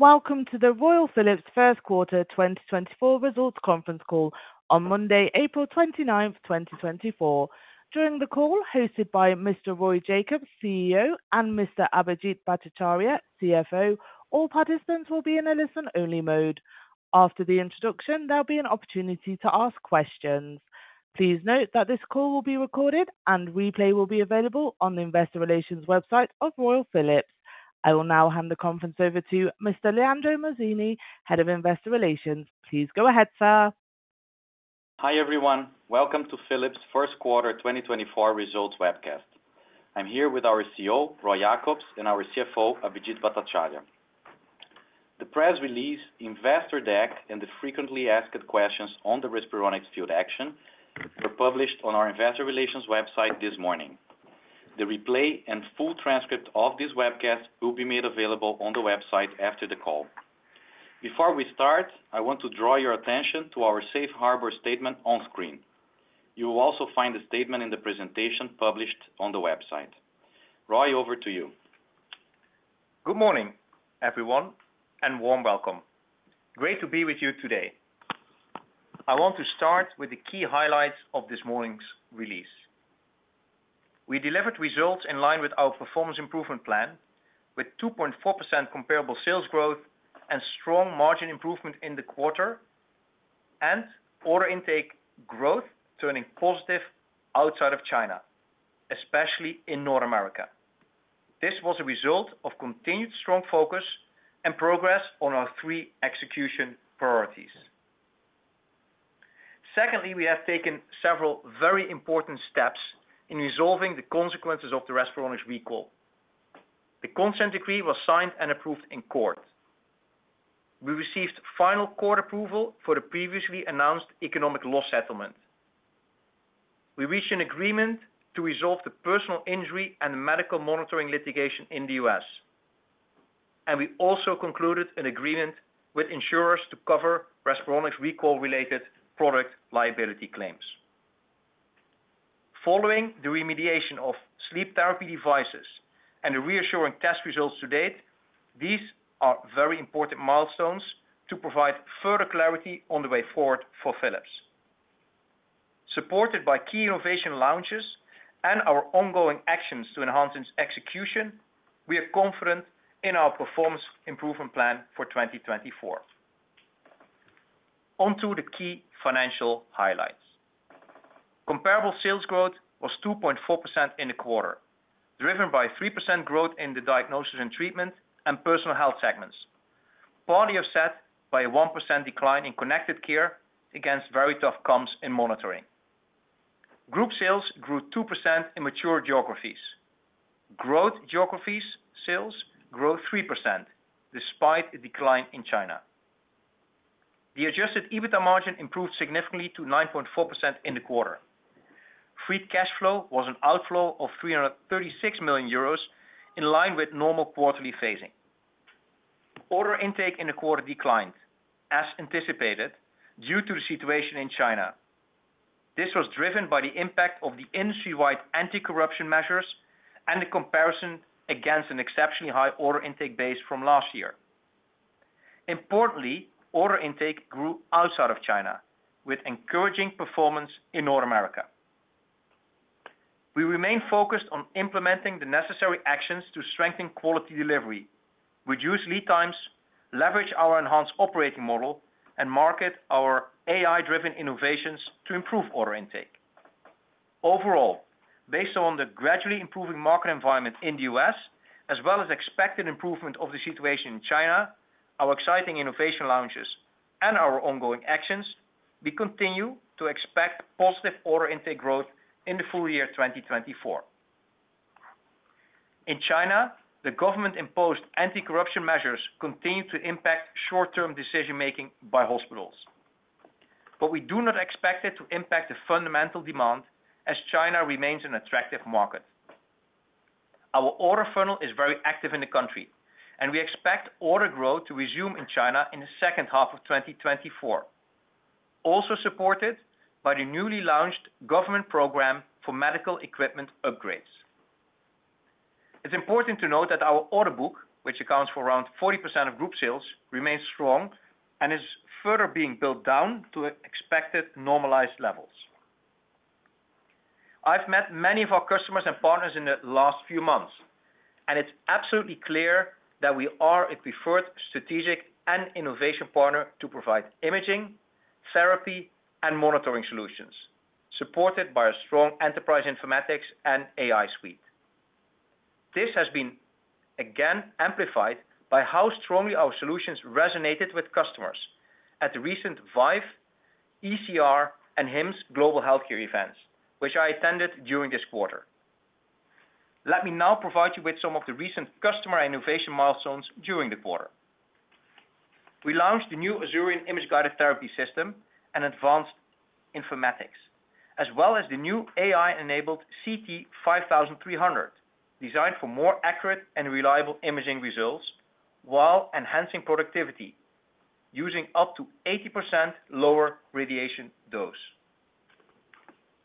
Welcome to the Royal Philips First Quarter 2024 Results Conference Call on Monday, April 29, 2024. During the call, hosted by Mr. Roy Jakobs, CEO, and Mr. Abhijit Bhattacharya, CFO, all participants will be in a listen-only mode. After the introduction, there'll be an opportunity to ask questions. Please note that this call will be recorded and replay will be available on the investor relations website of Royal Philips. I will now hand the conference over to Mr. Leandro Mazzoni, Head of Investor Relations. Please go ahead, sir. Hi, everyone. Welcome to Philips first quarter 2024 results webcast. I'm here with our CEO, Roy Jakobs, and our CFO, Abhijit Bhattacharya. The press release, investor deck, and the frequently asked questions on the Respironics field action were published on our investor relations website this morning. The replay and full transcript of this webcast will be made available on the website after the call. Before we start, I want to draw your attention to our safe harbor statement on screen. You will also find a statement in the presentation published on the website. Roy, over to you. Good morning, everyone, and warm welcome. Great to be with you today. I want to start with the key highlights of this morning's release. We delivered results in line with our performance improvement plan, with 2.4% comparable sales growth and strong margin improvement in the quarter, and order intake growth turning positive outside of China, especially in North America. This was a result of continued strong focus and progress on our three execution priorities. Secondly, we have taken several very important steps in resolving the consequences of the Respironics recall. The consent decree was signed and approved in court. We received final court approval for the previously announced economic loss settlement. We reached an agreement to resolve the personal injury and medical monitoring litigation in the U.S., and we also concluded an agreement with insurers to cover Respironics recall-related product liability claims. Following the remediation of sleep therapy devices and the reassuring test results to date, these are very important milestones to provide further clarity on the way forward for Philips. Supported by key innovation launches and our ongoing actions to enhance its execution, we are confident in our performance improvement plan for 2024. On to the key financial highlights. Comparable sales growth was 2.4% in the quarter, driven by 3% growth in the Diagnosis and Treatment and Personal Health segments, partly offset by a 1% decline in Connected Care against very tough comps in monitoring. Group sales grew 2% in mature geographies. Growth geographies sales grew 3%, despite a decline in China. The adjusted EBITDA margin improved significantly to 9.4% in the quarter. Free cash flow was an outflow of 336 million euros, in line with normal quarterly phasing. Order intake in the quarter declined, as anticipated, due to the situation in China. This was driven by the impact of the industry-wide anti-corruption measures and the comparison against an exceptionally high order intake base from last year. Importantly, order intake grew outside of China, with encouraging performance in North America. We remain focused on implementing the necessary actions to strengthen quality delivery, reduce lead times, leverage our enhanced operating model, and market our AI-driven innovations to improve order intake. Overall, based on the gradually improving market environment in the U.S., as well as expected improvement of the situation in China, our exciting innovation launches and our ongoing actions, we continue to expect positive order intake growth in the full-year 2024. In China, the government-imposed anti-corruption measures continue to impact short-term decision-making by hospitals. But we do not expect it to impact the fundamental demand, as China remains an attractive market. Our order funnel is very active in the country, and we expect order growth to resume in China in the second half of 2024, also supported by the newly launched government program for medical equipment upgrades. It's important to note that our order book, which accounts for around 40% of group sales, remains strong and is further being built down to expected normalized levels. I've met many of our customers and partners in the last few months, and it's absolutely clear that we are a preferred strategic and innovation partner to provide imaging, therapy, and monitoring solutions, supported by a strong enterprise informatics and AI suite. This has been, again, amplified by how strongly our solutions resonated with customers at the recent ViVE, ECR, and HIMSS Global Healthcare events, which I attended during this quarter. Let me now provide you with some of the recent customer innovation milestones during the quarter. We launched the new Azurion Image Guided Therapy system and advanced informatics, as well as the new AI-enabled CT 5300, designed for more accurate and reliable imaging results while enhancing productivity using up to 80% lower radiation dose....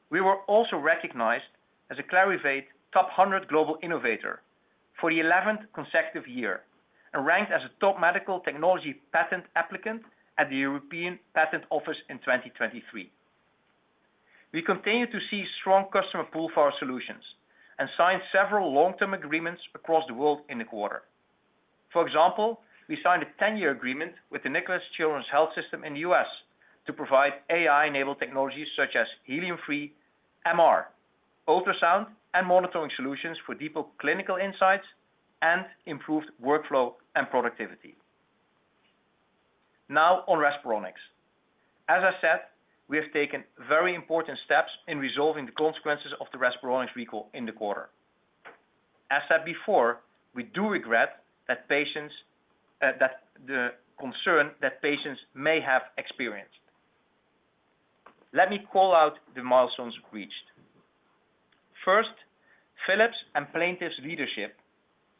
We were also recognized as a Clarivate Top 100 Global Innovator for the 11th consecutive year, and ranked as a top medical technology patent applicant at the European Patent Office in 2023. We continue to see strong customer pull for our solutions and signed several long-term agreements across the world in the quarter. For example, we signed a 10-year agreement with the Nicklaus Children's Health System in the U.S. to provide AI-enabled technologies such as helium-free MR, ultrasound, and monitoring solutions for deeper clinical insights and improved workflow and productivity. Now on Respironics. As I said, we have taken very important steps in resolving the consequences of the Respironics recall in the quarter. As said before, we do regret that patients, that the concern that patients may have experienced. Let me call out the milestones reached. First, Philips and plaintiffs' leadership,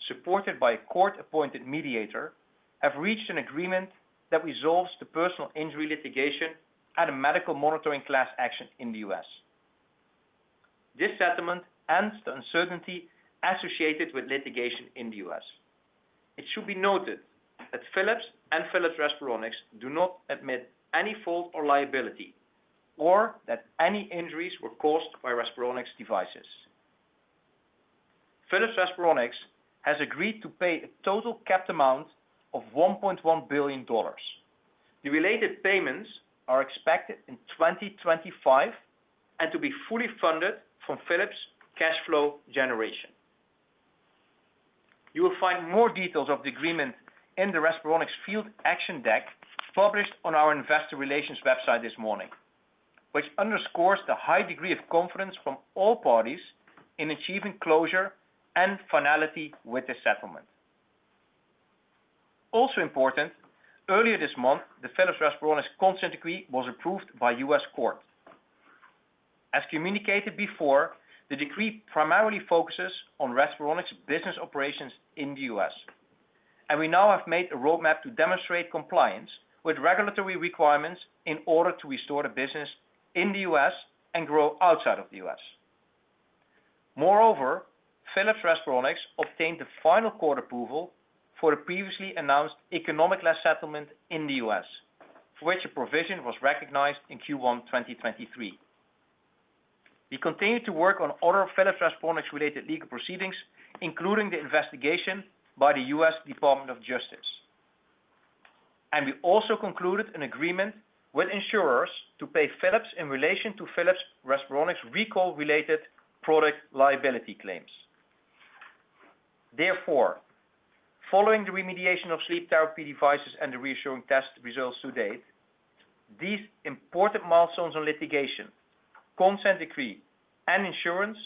supported by a court-appointed mediator, have reached an agreement that resolves the personal injury litigation and a medical monitoring class action in the U.S. This settlement ends the uncertainty associated with litigation in the U.S. It should be noted that Philips and Philips Respironics do not admit any fault or liability, or that any injuries were caused by Respironics devices. Philips Respironics has agreed to pay a total capped amount of $1.1 billion. The related payments are expected in 2025, and to be fully funded from Philips' cash flow generation. You will find more details of the agreement in the Respironics Field Action deck, published on our investor relations website this morning, which underscores the high degree of confidence from all parties in achieving closure and finality with this settlement. Also important, earlier this month, the Philips Respironics consent decree was approved by U.S. Court. As communicated before, the decree primarily focuses on Respironics business operations in the U.S., and we now have made a roadmap to demonstrate compliance with regulatory requirements in order to restore the business in the U.S. and grow outside of the U.S. Moreover, Philips Respironics obtained the final court approval for the previously announced economic loss settlement in the U.S., for which a provision was recognized in Q1 2023. We continue to work on other Philips Respironics-related legal proceedings, including the investigation by the U.S. Department of Justice. And we also concluded an agreement with insurers to pay Philips in relation to Philips Respironics recall-related product liability claims. Therefore, following the remediation of sleep therapy devices and the reassuring test results to date, these important milestones on litigation, consent decree, and insurance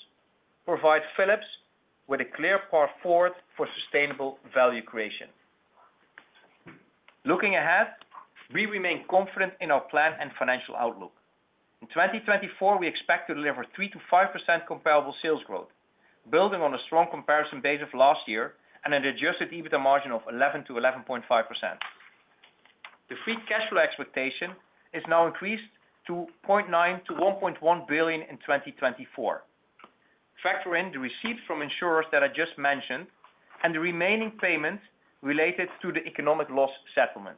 provide Philips with a clear path forward for sustainable value creation. Looking ahead, we remain confident in our plan and financial outlook. In 2024, we expect to deliver 3%-5% comparable sales growth, building on a strong comparison base of last year and an Adjusted EBITDA margin of 11%-11.5%. The free cash flow expectation is now increased to 0.9-1.1 billion in 2024. Factor in the receipts from insurers that I just mentioned and the remaining payments related to the economic loss settlement.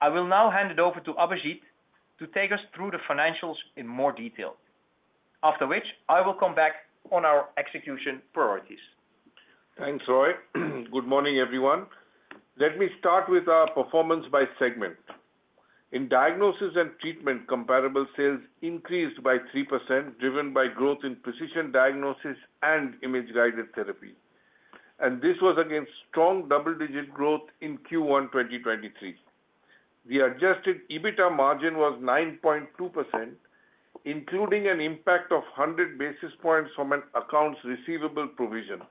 I will now hand it over to Abhijit to take us through the financials in more detail, after which I will come back on our execution priorities. Thanks, Roy. Good morning, everyone. Let me start with our performance by segment. In Diagnosis and Treatment, comparable sales increased by 3%, driven by growth in Precision Diagnosis and Image Guided Therapy, and this was against strong double-digit growth in Q1 2023. The adjusted EBITDA margin was 9.2%, including an impact of 100 basis points from an accounts receivable provision.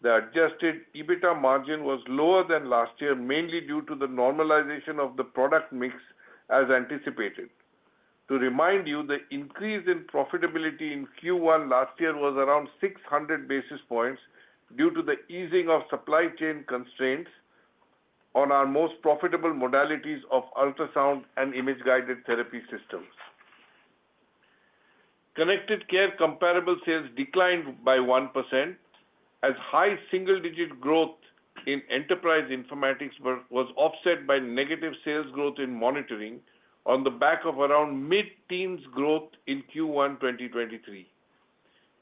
The Adjusted EBITDA margin was lower than last year, mainly due to the normalization of the product mix as anticipated. To remind you, the increase in profitability in Q1 last year was around 600 basis points due to the easing of supply chain constraints on our most profitable modalities of ultrasound and Image Guided Therapy systems. Connected Care comparable sales declined by 1%, as high single-digit growth in Enterprise Informatics was offset by negative sales growth in monitoring on the back of around mid-teens growth in Q1 2023.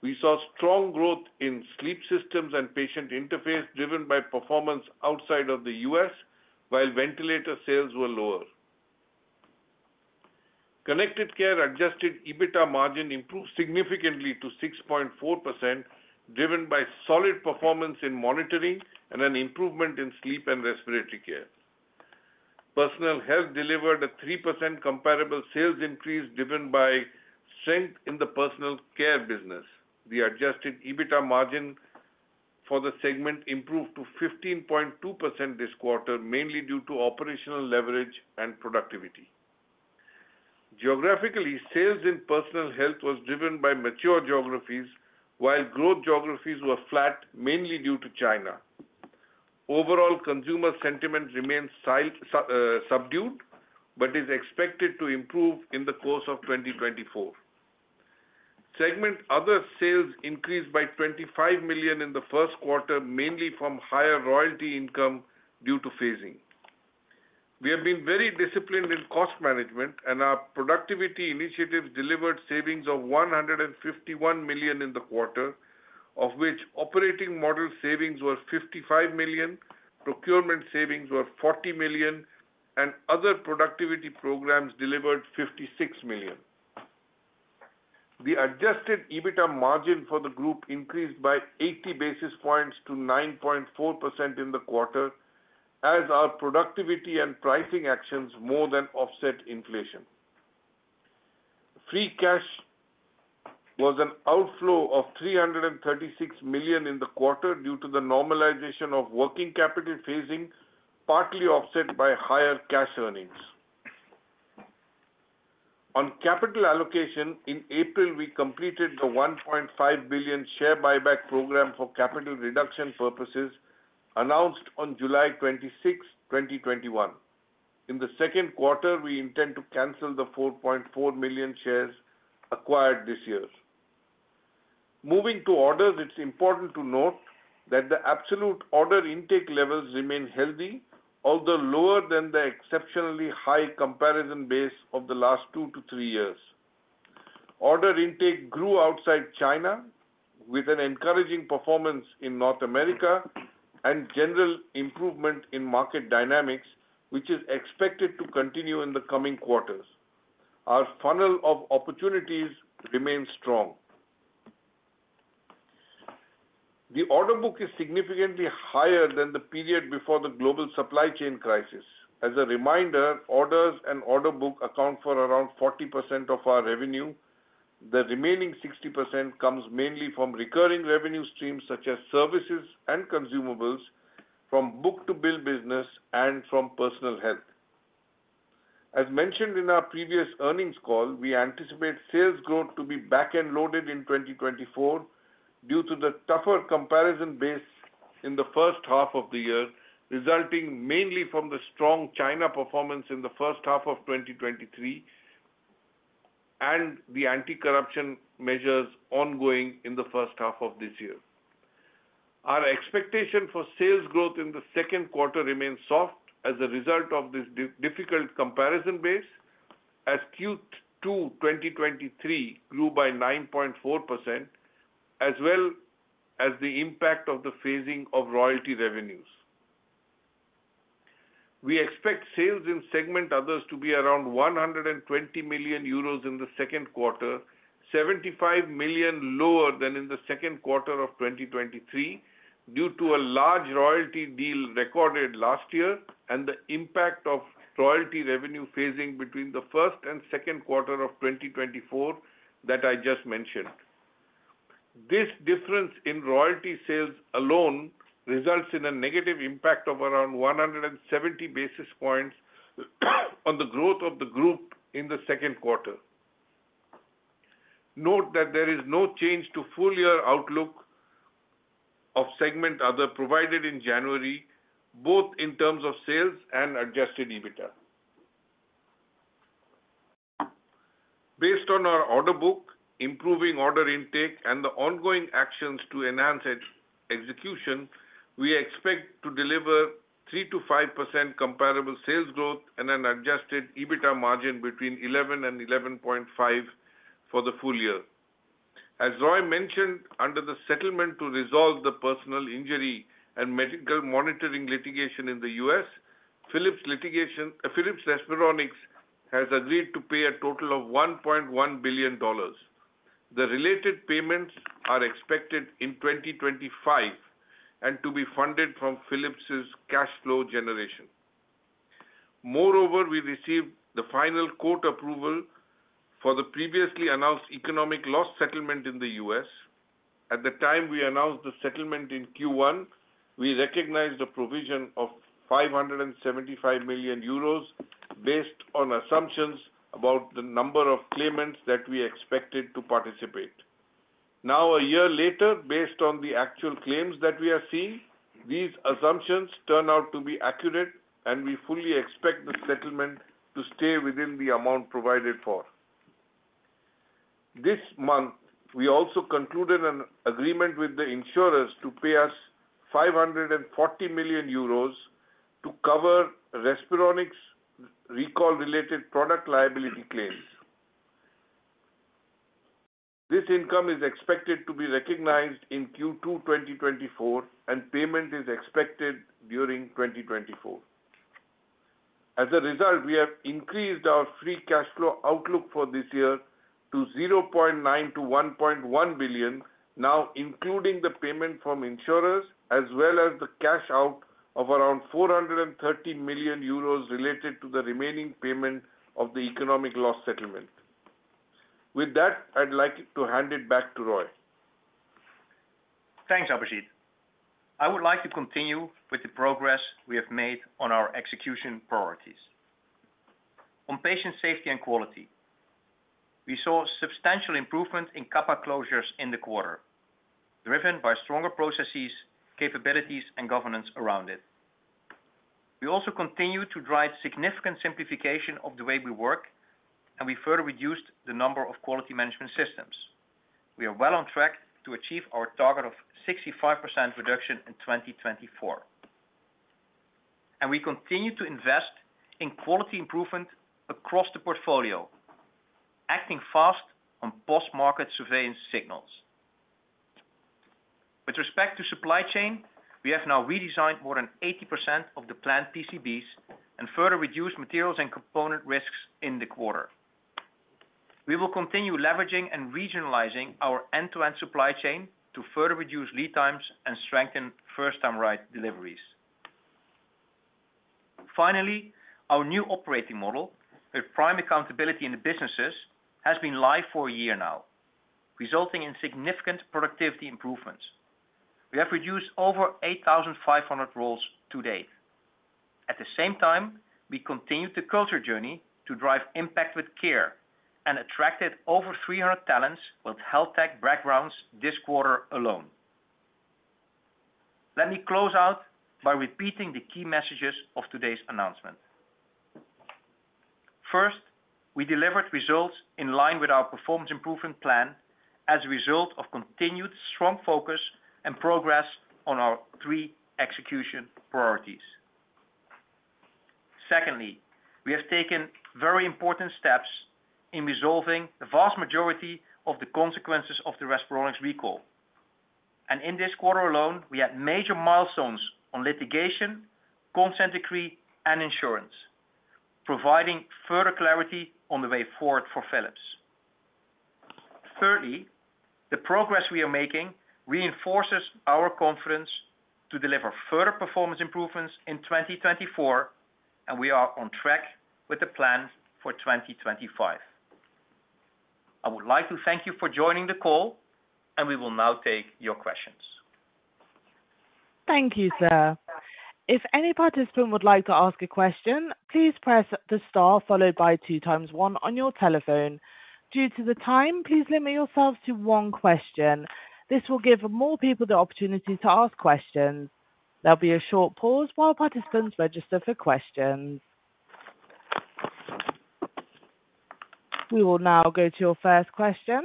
We saw strong growth in sleep systems and patient interface, driven by performance outside of the U.S., while ventilator sales were lower. Connected Care adjusted EBITDA margin improved significantly to 6.4%, driven by solid performance in monitoring and an improvement in sleep and respiratory care. Personal Health delivered a 3% comparable sales increase, driven by strength in the Personal Care business. The adjusted EBITDA margin for the segment improved to 15.2% this quarter, mainly due to operational leverage and productivity. Geographically, sales in Personal Health was driven by mature geographies, while growth geographies were flat, mainly due to China. Overall, consumer sentiment remains subdued, but is expected to improve in the course of 2024. Segment Other sales increased by 25 million in the first quarter, mainly from higher royalty income due to phasing. We have been very disciplined in cost management, and our productivity initiatives delivered savings of 151 million in the quarter, of which operating model savings were 55 million, procurement savings were 40 million, and other productivity programs delivered 56 million. The adjusted EBITDA margin for the group increased by 80 basis points to 9.4% in the quarter, as our productivity and pricing actions more than offset inflation. Free cash was an outflow of 336 million in the quarter due to the normalization of working capital phasing, partly offset by higher cash earnings. On capital allocation, in April, we completed the 1.5 billion share buyback program for capital reduction purposes announced on July 26, 2021. In the second quarter, we intend to cancel the 4.4 million shares acquired this year. Moving to orders, it's important to note that the absolute order intake levels remain healthy, although lower than the exceptionally high comparison base of the last 2-3 years. Order intake grew outside China, with an encouraging performance in North America and general improvement in market dynamics, which is expected to continue in the coming quarters. Our funnel of opportunities remains strong. The order book is significantly higher than the period before the global supply chain crisis. As a reminder, orders and order book account for around 40% of our revenue. The remaining 60% comes mainly from recurring revenue streams, such as services and consumables, from Book-to-bill business, and from Personal Health. As mentioned in our previous earnings call, we anticipate sales growth to be back-end loaded in 2024 due to the tougher comparison base in the first half of the year, resulting mainly from the strong China performance in the first half of 2023, and the anti-corruption measures ongoing in the first half of this year. Our expectation for sales growth in the second quarter remains soft as a result of this difficult comparison base, as Q2 2023 grew by 9.4%, as well as the impact of the phasing of royalty revenues. We expect sales in segment Others to be around 120 million euros in the second quarter, 75 million lower than in the second quarter of 2023, due to a large royalty deal recorded last year and the impact of royalty revenue phasing between the first and second quarter of 2024 that I just mentioned. This difference in royalty sales alone results in a negative impact of around 170 basis points on the growth of the group in the second quarter. Note that there is no change to full-year outlook of segment Other, provided in January, both in terms of sales and adjusted EBITDA. Based on our order book, improving order intake, and the ongoing actions to enhance its execution, we expect to deliver 3%-5% comparable sales growth and an Adjusted EBITDA margin between 11% and 11.5% for the full-year. As Roy mentioned, under the settlement to resolve the personal injury and medical monitoring litigation in the U.S., Philips Respironics has agreed to pay a total of $1.1 billion. The related payments are expected in 2025, and to be funded from Philips' cash flow generation. Moreover, we received the final court approval for the previously announced economic loss settlement in the U.S. At the time we announced the settlement in Q1, we recognized a provision of 575 million euros based on assumptions about the number of claimants that we expected to participate. Now, a year later, based on the actual claims that we are seeing, these assumptions turn out to be accurate, and we fully expect the settlement to stay within the amount provided for. This month, we also concluded an agreement with the insurers to pay us 540 million euros to cover Respironics recall-related product liability claims. This income is expected to be recognized in Q2 2024, and payment is expected during 2024. As a result, we have increased our free cash flow outlook for this year to 0.9-1.1 billion, now including the payment from insurers, as well as the cash out of around 430 million euros related to the remaining payment of the economic loss settlement. With that, I'd like to hand it back to Roy. Thanks, Abhijit. I would like to continue with the progress we have made on our execution priorities on patient safety and quality. We saw substantial improvement in CAPA closures in the quarter, driven by stronger processes, capabilities, and governance around it. We also continued to drive significant simplification of the way we work, and we further reduced the number of quality management systems. We are well on track to achieve our target of 65% reduction in 2024. And we continue to invest in quality improvement across the portfolio, acting fast on post-market surveillance signals. With respect to supply chain, we have now redesigned more than 80% of the planned PCBs and further reduced materials and component risks in the quarter. We will continue leveraging and regionalizing our end-to-end supply chain to further reduce lead times and strengthen first-time right deliveries. Finally, our new operating model, with prime accountability in the businesses, has been live for a year now, resulting in significant productivity improvements. We have reduced over 8,500 roles to date. At the same time, we continued the culture journey to drive impact with care and attracted over 300 talents with health tech backgrounds this quarter alone. Let me close out by repeating the key messages of today's announcement. First, we delivered results in line with our performance improvement plan as a result of continued strong focus and progress on our three execution priorities. Secondly, we have taken very important steps in resolving the vast majority of the consequences of the Respironics recall. In this quarter alone, we had major milestones on litigation, consent decree, and insurance, providing further clarity on the way forward for Philips. Thirdly, the progress we are making reinforces our confidence to deliver further performance improvements in 2024, and we are on track with the plan for 2025. I would like to thank you for joining the call, and we will now take your questions. Thank you, sir. If any participant would like to ask a question, please press the star followed by two times one on your telephone. Due to the time, please limit yourselves to one question. This will give more people the opportunity to ask questions. There'll be a short pause while participants register for questions. We will now go to your first question.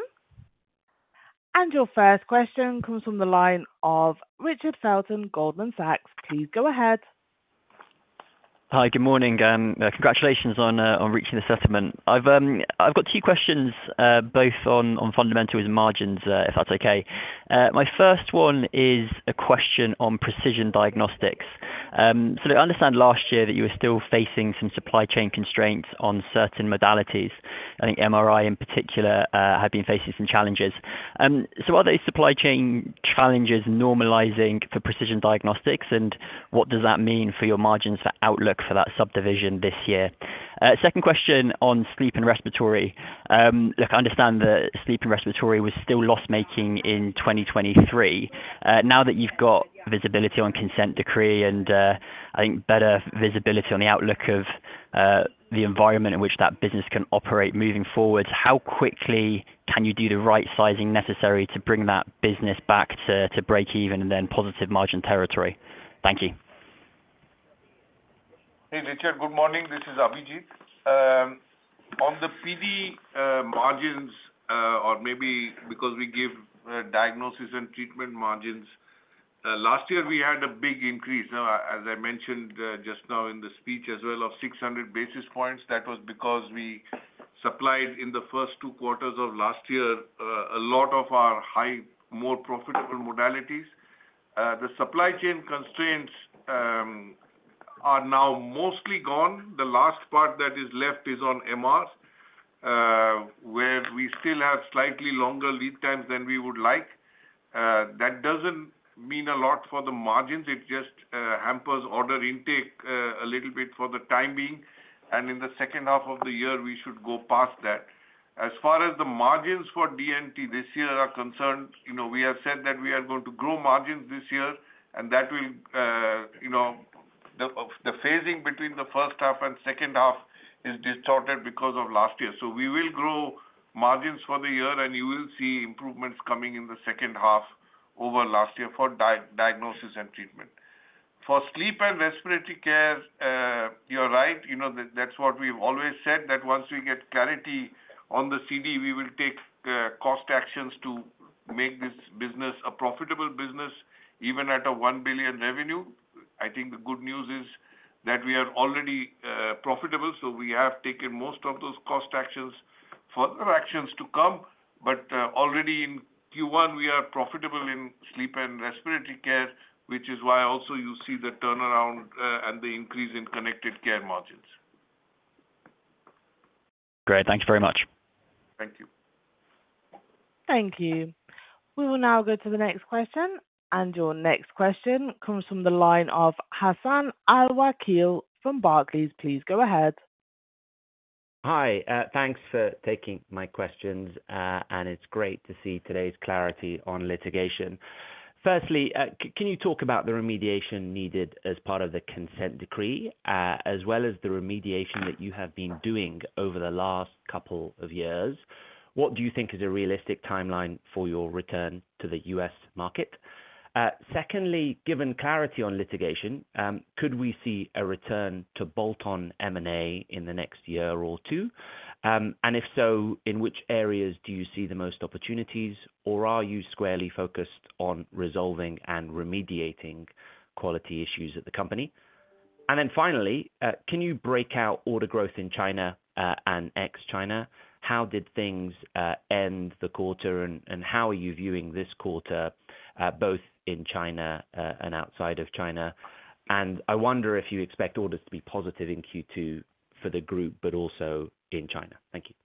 Your first question comes from the line of Richard Felton, Goldman Sachs. Please go ahead. Hi, good morning. Congratulations on reaching the settlement. I've got two questions, both on fundamentals and margins, if that's okay. My first one is a question on Precision Diagnostics. So I understand last year that you were still facing some supply chain constraints on certain modalities. I think MRI, in particular, had been facing some challenges. So are these supply chain challenges normalizing for Precision Diagnostics, and what does that mean for your margins for outlook for that subdivision this year? Second question on sleep and respiratory. Look, I understand that sleep and respiratory was still loss-making in 2023. Now that you've got visibility on consent decree and, I think better visibility on the outlook of, the environment in which that business can operate moving forward, how quickly can you do the right sizing necessary to bring that business back to, to breakeven and then positive margin territory? Thank you. Hey, Richard. Good morning. This is Abhijit. On the PD, margins, or maybe because we give, diagnosis and treatment margins, last year we had a big increase. Now, as I mentioned, just now in the speech as well, of 600 basis points. That was because we supplied in the first two quarters of last year, a lot of our high, more profitable modalities. The supply chain constraints are now mostly gone. The last part that is left is on MR, where we still have slightly longer lead times than we would like. That doesn't mean a lot for the margins. It just hampers order intake a little bit for the time being. And in the second half of the year, we should go past that. As far as the margins for D&T this year are concerned, you know, we have said that we are going to grow margins this year, and that will, you know, the phasing between the first half and second half is distorted because of last year. So we will grow margins for the year, and you will see improvements coming in the second half over last year for diagnosis and treatment. For sleep and respiratory care, you're right. You know, that's what we've always said, that once we get clarity on the CD, we will take cost actions to make this business a profitable business, even at a 1 billion revenue. I think the good news is that we are already profitable, so we have taken most of those cost actions. Further actions to come, but already in Q1, we are profitable in Sleep and Respiratory Care, which is why also you see the turnaround, and the increase in Connected Care margins. Great, thank you very much. Thank you. Thank you. We will now go to the next question, and your next question comes from the line of Hassan Al-Wakeel from Barclays. Please go ahead. Hi, thanks for taking my questions, and it's great to see today's clarity on litigation. First, can you talk about the remediation needed as part of the consent decree, as well as the remediation that you have been doing over the last couple of years? What do you think is a realistic timeline for your return to the U.S. market? Second, given clarity on litigation, could we see a return to bolt-on M&A in the next year or two? And if so, in which areas do you see the most opportunities, or are you squarely focused on resolving and remediating quality issues at the company? And then finally, can you break out order growth in China, and ex-China? How did things end the quarter, and how are you viewing this quarter, both in China, and outside of China? I wonder if you expect orders to be positive in Q2 for the group, but also in China. Thank you.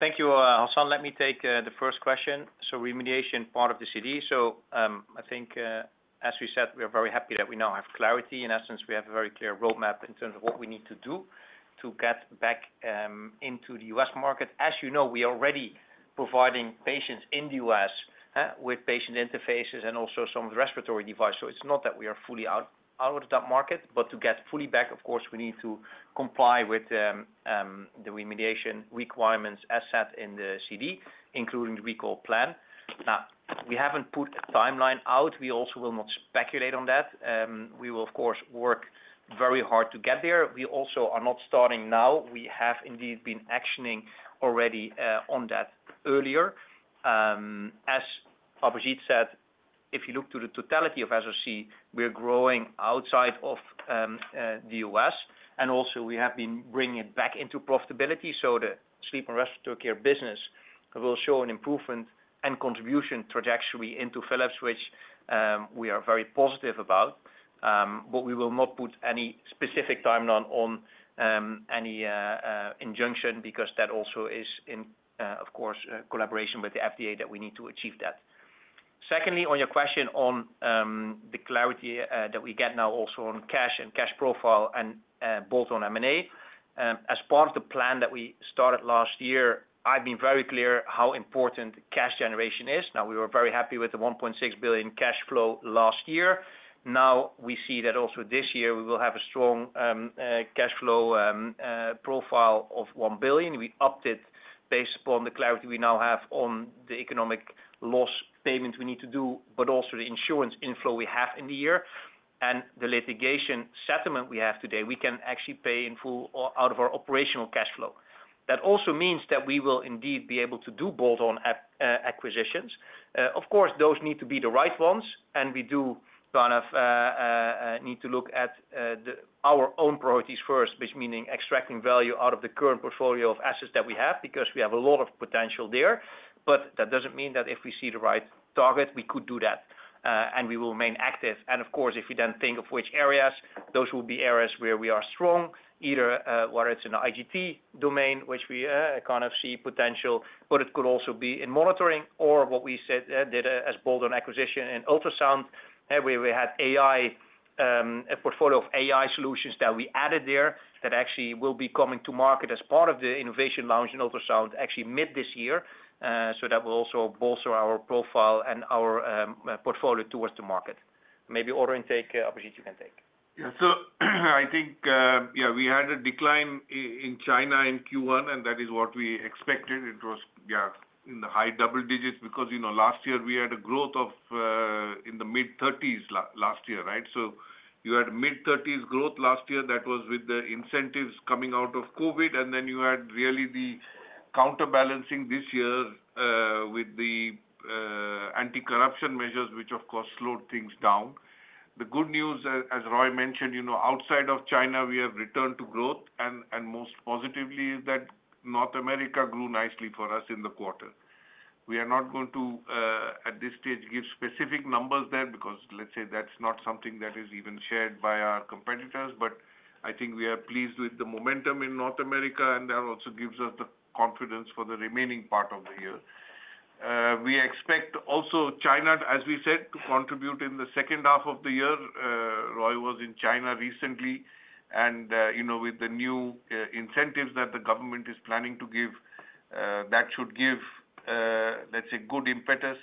Thank you, Hassan. Let me take the first question. So remediation part of the CD. So, I think, as we said, we are very happy that we now have clarity. In essence, we have a very clear roadmap in terms of what we need to do to get back into the U.S. market. As you know, we are already providing patients in the U.S. with patient interfaces and also some of the respiratory devices. So it's not that we are fully out of that market, but to get fully back, of course, we need to comply with the remediation requirements as set in the CD, including the recall plan. Now, we haven't put a timeline out. We also will not speculate on that. We will, of course, work very hard to get there. We also are not starting now. We have indeed been actioning already on that earlier. As Abhijit said, if you look to the totality of SRC, we are growing outside of the U.S., and also we have been bringing it back into profitability, so the sleep and respiratory care business will show an improvement and contribution trajectory into Philips, which we are very positive about. But we will not put any specific timeline on any injunction because that also is in, of course, collaboration with the FDA that we need to achieve that. Secondly, on your question on the clarity that we get now also on cash and cash profile and both on M&A, as part of the plan that we started last year, I've been very clear how important cash generation is. Now, we were very happy with the $1.6 billion cash flow last year. Now, we see that also this year, we will have a strong cash flow profile of $1 billion. We upped it based upon the clarity we now have on the economic loss payments we need to do, but also the insurance inflow we have in the year, and the litigation settlement we have today; we can actually pay in full out of our operational cash flow. That also means that we will indeed be able to do bolt-on acquisitions. Of course, those need to be the right ones, and we do kind of need to look at our own priorities first, which meaning extracting value out of the current portfolio of assets that we have, because we have a lot of potential there. But that doesn't mean that if we see the right target, we could do that, and we will remain active. Of course, if we then think of which areas, those will be areas where we are strong, either whether it's in the IGT domain, which we kind of see potential, but it could also be in monitoring or what we said, did as bolt-on acquisition and ultrasound, where we had AI, a portfolio of AI solutions that we added there that actually will be coming to market as part of the innovation launch in ultrasound, actually mid this year. That will also bolster our profile and our portfolio towards the market. Maybe order intake, Abhijit, you can take. Yeah. So I think, yeah, we had a decline in China in Q1, and that is what we expected. It was, yeah, in the high double digits, because, you know, last year we had a growth of in the mid 30%, right? So you had mid 30% growth last year. That was with the incentives coming out of COVID, and then you had really the counterbalancing this year with the anti-corruption measures, which of course slowed things down. The good news, as Roy mentioned, you know, outside of China, we have returned to growth, and most positively is that North America grew nicely for us in the quarter. We are not going to, at this stage, give specific numbers there because, let's say that's not something that is even shared by our competitors, but I think we are pleased with the momentum in North America, and that also gives us the confidence for the remaining part of the year. We expect also China, as we said, to contribute in the second half of the year. Roy was in China recently, and, you know, with the new, incentives that the government is planning to give, that should give, let's say, good impetus.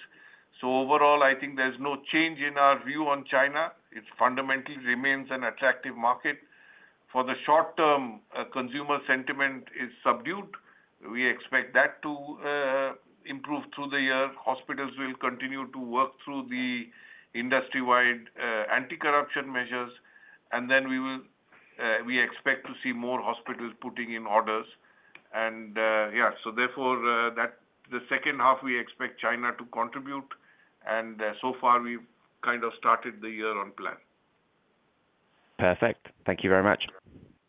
So overall, I think there's no change in our view on China. It fundamentally remains an attractive market. For the short term, consumer sentiment is subdued. We expect that to, improve through the year. Hospitals will continue to work through the industry-wide anti-corruption measures, and then we will. We expect to see more hospitals putting in orders. Yeah, so therefore, that, the second half, we expect China to contribute, and so far we've kind of started the year on plan. Perfect. Thank you very much.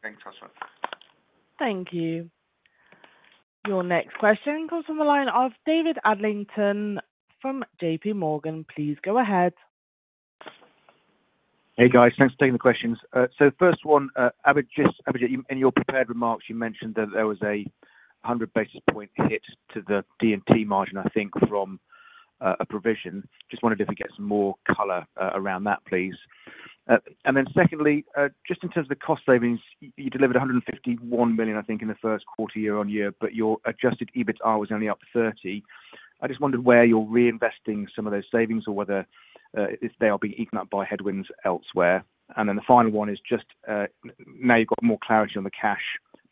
Thanks, Hassan. Thank you. Your next question comes from the line of David Adlington from JPMorgan. Please go ahead. Hey, guys. Thanks for taking the questions. So the first one, Abhijit, Abhijit, in your prepared remarks, you mentioned that there was 100 basis points hit to the D&T margin, I think, from a provision. Just wondered if we could get some more color around that, please? And then secondly, just in terms of the cost savings, you delivered 151 million, I think, in the first quarter, year-on-year, but your adjusted EBITDA was only up to 30 million. I just wondered where you're reinvesting some of those savings or whether if they are being eaten up by headwinds elsewhere. And then the final one is just, now you've got more clarity on the cash.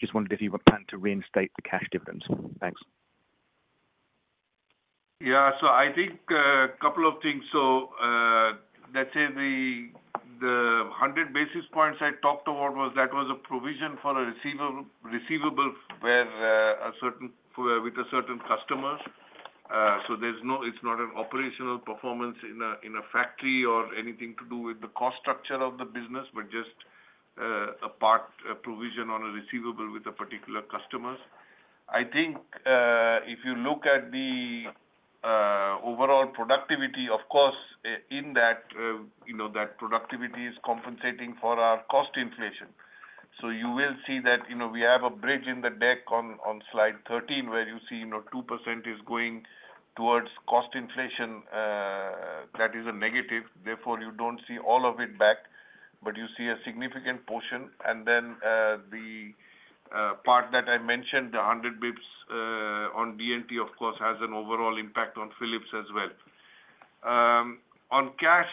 Just wondered if you were planning to reinstate the cash dividends? Thanks. Yeah. So I think, couple of things. So, let's say the, the 100 basis points I talked about was that was a provision for a receivable, receivable where, a certain- with a certain customer. So there's no, it's not an operational performance in a, in a factory or anything to do with the cost structure of the business, but just, a part, a provision on a receivable with the particular customers. I think, if you look at the, overall productivity, of course, in that, you know, that productivity is compensating for our cost inflation. So you will see that, you know, we have a bridge in the deck on slide 13, where you see, you know, 2% is going towards cost inflation, that is a negative, therefore, you don't see all of it back, but you see a significant portion. And then, the part that I mentioned, the 100 basis points on D&T, of course, has an overall impact on Philips as well. On cash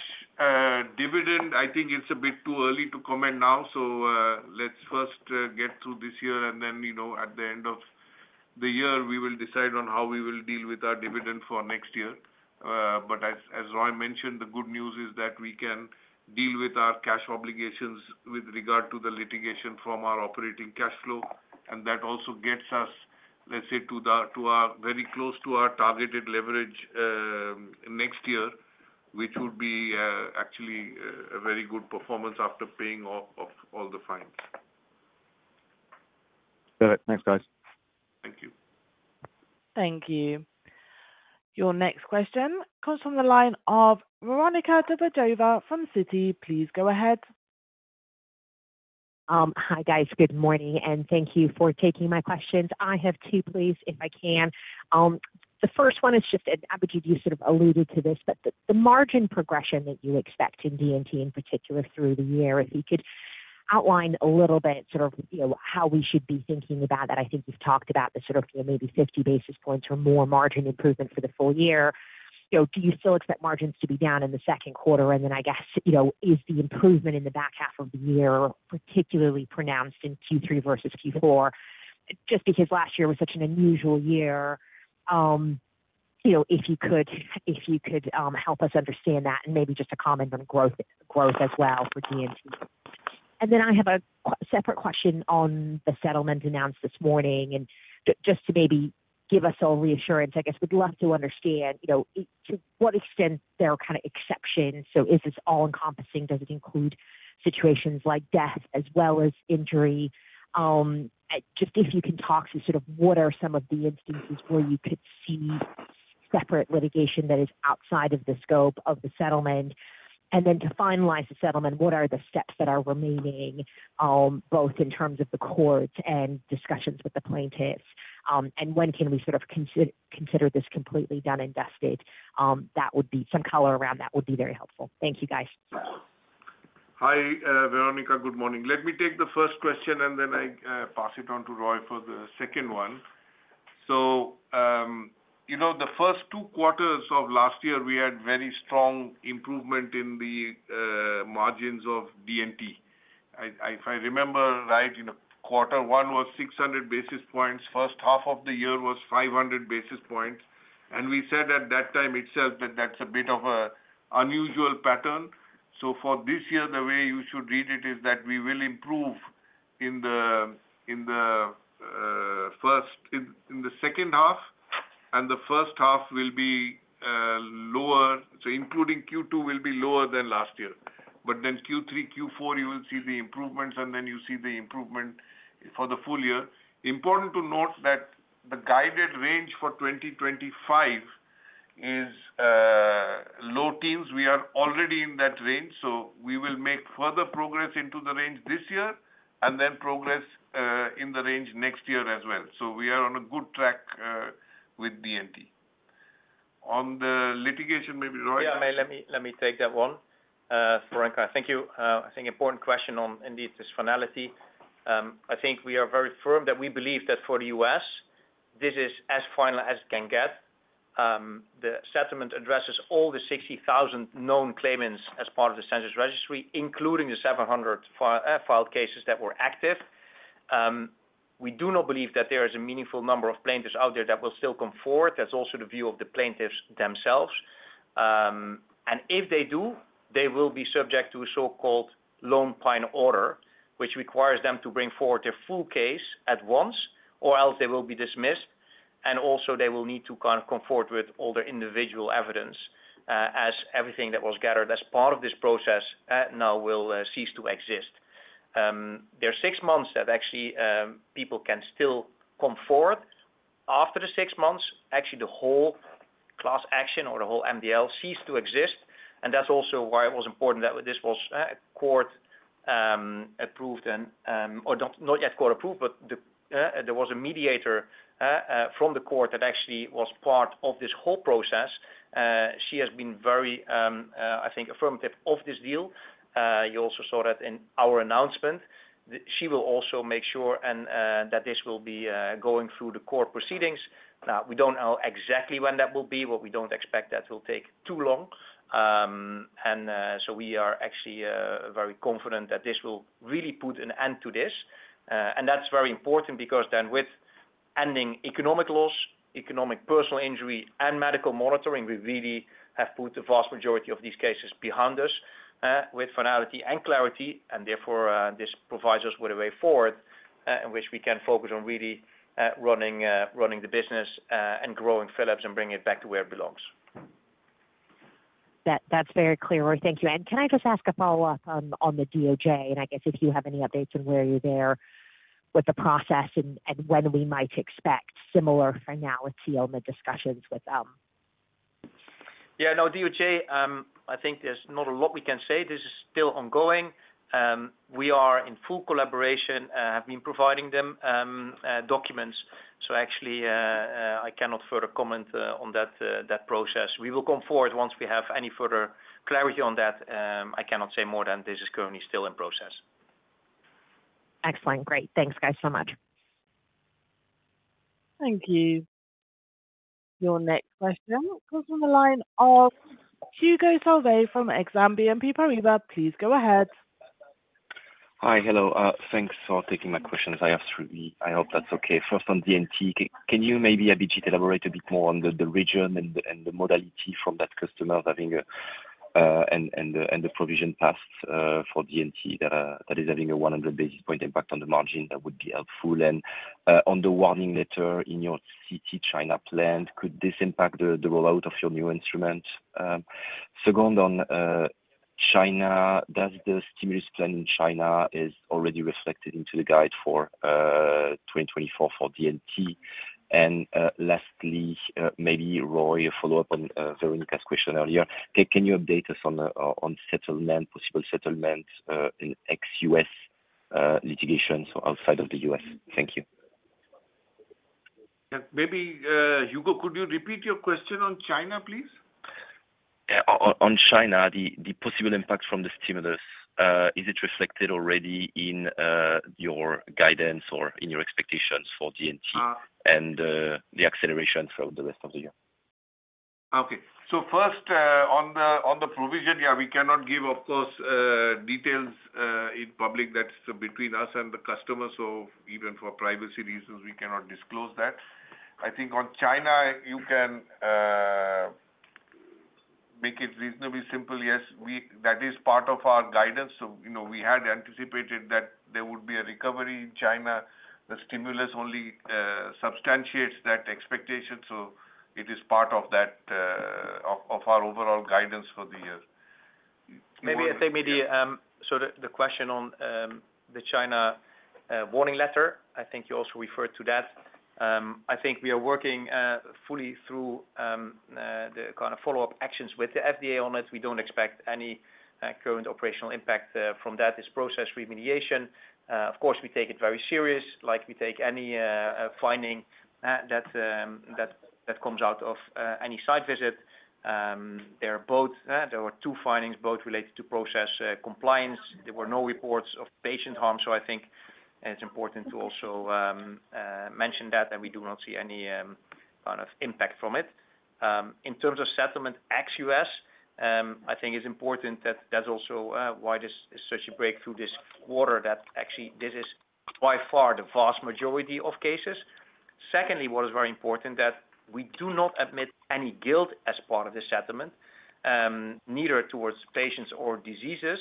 dividend, I think it's a bit too early to comment now. So, let's first get through this year, and then, you know, at the end of the year, we will decide on how we will deal with our dividend for next year. But as Roy mentioned, the good news is that we can deal with our cash obligations with regard to the litigation from our operating cash flow, and that also gets us, let's say, to our very close to our targeted leverage, next year, which would be, actually, a very good performance after paying off of all the fines. All right. Thanks, guys. Thank you. Thank you. Your next question comes from the line of Veronika Dubajova from Citi. Please go ahead. Hi, guys. Good morning, and thank you for taking my questions. I have two, please, if I can. The first one is just, and Abhijit, you sort of alluded to this, but the margin progression that you expect in D&T, in particular, through the year, if you could outline a little bit, sort of, you know, how we should be thinking about that. I think you've talked about the sort of, you know, maybe 50 basis points or more margin improvement for the full-year. You know, do you still expect margins to be down in the second quarter? And then I guess, you know, is the improvement in the back half of the year particularly pronounced in Q3 versus Q4? Just because last year was such an unusual year, you know, if you could, if you could, help us understand that, and maybe just to comment on growth, growth as well for D&T. And then I have a separate question on the settlement announced this morning. And just to maybe give us all reassurance, I guess we'd love to understand, you know, to what extent there are kind of exceptions. So is this all-encompassing? Does it include situations like death as well as injury? Just if you can talk to sort of what are some of the instances where you could see separate litigation that is outside of the scope of the settlement. And then to finalize the settlement, what are the steps that are remaining, both in terms of the courts and discussions with the plaintiffs? When can we sort of consider this completely done and dusted? That would be some color around that would be very helpful. Thank you, guys. Hi, Veronica. Good morning. Let me take the first question, and then I pass it on to Roy for the second one. So, you know, the first two quarters of last year, we had very strong improvement in the margins of D&T. If I remember right, you know, quarter one was 600 basis points, first half of the year was 500 basis points, and we said at that time itself that that's a bit of a unusual pattern. So for this year, the way you should read it is that we will improve in the second half, and the first half will be lower, so including Q2, will be lower than last year. But then Q3, Q4, you will see the improvements, and then you see the improvement for the full-year. Important to note that the guided range for 2025 is low teens. We are already in that range, so we will make further progress into the range this year, and then progress in the range next year as well. So we are on a good track with D&T. On the litigation, maybe Roy? Let me, let me take that one. Veronica, thank you. I think important question on indeed, this finality. I think we are very firm that we believe that for the U.S., this is as final as it can get. The settlement addresses all the 60,000 known claimants as part of the census registry, including the 750 filed cases that were active. We do not believe that there is a meaningful number of plaintiffs out there that will still come forward. That's also the view of the plaintiffs themselves. And if they do, they will be subject to a so-called Lone Pine order, which requires them to bring forward their full case at once, or else they will be dismissed, and also they will need to kind of come forward with all their individual evidence, as everything that was gathered as part of this process now will cease to exist. There are six months that actually people can still come forward. After the six months, actually the whole class action or the whole MDL cease to exist, and that's also why it was important that this was court approved and, or not, not yet court approved, but there was a mediator from the court that actually was part of this whole process. She has been very, I think, affirmative of this deal. You also saw that in our announcement, that she will also make sure and that this will be going through the court proceedings. Now, we don't know exactly when that will be, but we don't expect that will take too long. We are actually very confident that this will really put an end to this. That's very important because then with ending economic loss, economic personal injury, and medical monitoring, we really have put the vast majority of these cases behind us, with finality and clarity, and therefore, this provides us with a way forward, in which we can focus on really running the business, and growing Philips and bringing it back to where it belongs. That, that's very clear, Roy, thank you. And can I just ask a follow-up on the DOJ, and I guess if you have any updates on where you're with the process and when we might expect similar finality on the discussions with them? Yeah, no, DOJ, I think there's not a lot we can say. This is still ongoing. We are in full collaboration, have been providing them documents. So actually, I cannot further comment on that that process. We will come forward once we have any further clarity on that. I cannot say more than this is currently still in process. Excellent. Great. Thanks, guys, so much. Thank you. Your next question comes from the line of Hugo Solvet from Exane BNP Paribas. Please go ahead. Hi. Hello, thanks for taking my questions. I have three. I hope that's okay. First, on D&T, can you maybe a bit elaborate a bit more on the region and the modality from that customer, and the provision paths for D&T that is having a 100 basis point impact on the margin, that would be helpful. And on the warning letter in your CT China plant, could this impact the rollout of your new instrument? Second on China, does the stimulus plan in China is already reflected into the guide for 2024 for D&T? And lastly, maybe Roy, a follow-up on Veronica's question earlier. Can you update us on the settlement, possible settlement in ex-U.S. litigations outside of the U.S.? Thank you. Yeah, maybe, Hugo, could you repeat your question on China, please? Yeah, on China, the possible impact from the stimulus, is it reflected already in your guidance or in your expectations for D&T? Uh. And the acceleration for the rest of the year? Okay. So first, on the provision, yeah, we cannot give, of course, details, in public. That's between us and the customer, so even for privacy reasons, we cannot disclose that. I think on China, you can make it reasonably simple. Yes, that is part of our guidance. So, you know, we had anticipated that there would be a recovery in China. The stimulus only substantiates that expectation, so it is part of that, of our overall guidance for the year. Maybe, I think maybe so the question on the China warning letter, I think you also referred to that. I think we are working fully through the kind of follow-up actions with the FDA on it. We don't expect any current operational impact from that. It's process remediation. Of course, we take it very serious, like we take any finding that comes out of any site visit. There were two findings, both related to process compliance. There were no reports of patient harm, so I think it's important to also mention that we do not see any kind of impact from it. In terms of settlement ex-U.S., I think it's important that that's also why this is such a breakthrough this quarter, that actually this is by far the vast majority of cases. Secondly, what is very important, that we do not admit any guilt as part of the settlement, neither towards patients or diseases.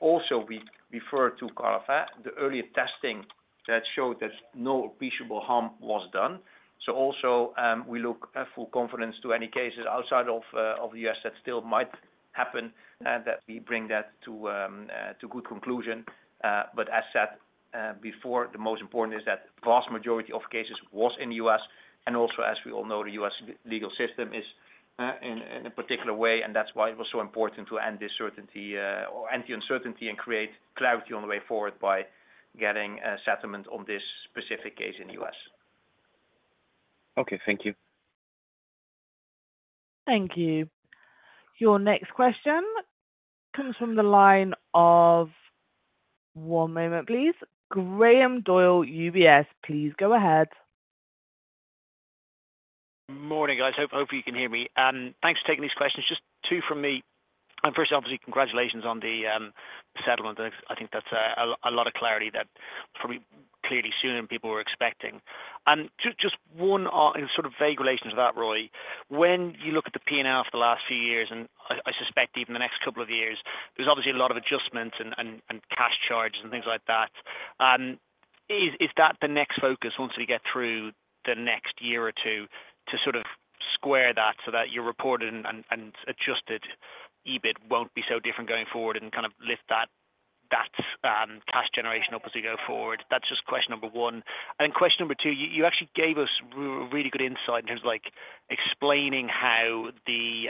Also, we refer to kind of the earlier testing that showed that no appreciable harm was done. So also, we look full confidence to any cases outside of the U.S. that still might happen, that we bring that to good conclusion. But as said before, the most important is that vast majority of cases was in the U.S., and also, as we all know, the U.S. legal system is in a particular way, and that's why it was so important to end this certainty or end the uncertainty and create clarity on the way forward by getting a settlement on this specific case in the U.S. Okay, thank you. Thank you. Your next question comes from the line of. One moment, please. Graham Doyle, UBS. Please go ahead. Morning, guys. Hope you can hear me. Thanks for taking these questions. Just two from me. And first, obviously, congratulations on the settlement. I think that's a lot of clarity that probably clearly sooner than people were expecting. And just one in sort of vague relation to that, Roy: When you look at the P&L for the last few years, and I suspect even the next couple of years, there's obviously a lot of adjustments and cash charges and things like that. Is that the next focus once we get through the next year or two, to sort of square that, so that your reported and adjusted EBIT won't be so different going forward and kind of lift that cash generation up as we go forward? That's just question number one. And question number two, you actually gave us really good insight in terms of, like, explaining how the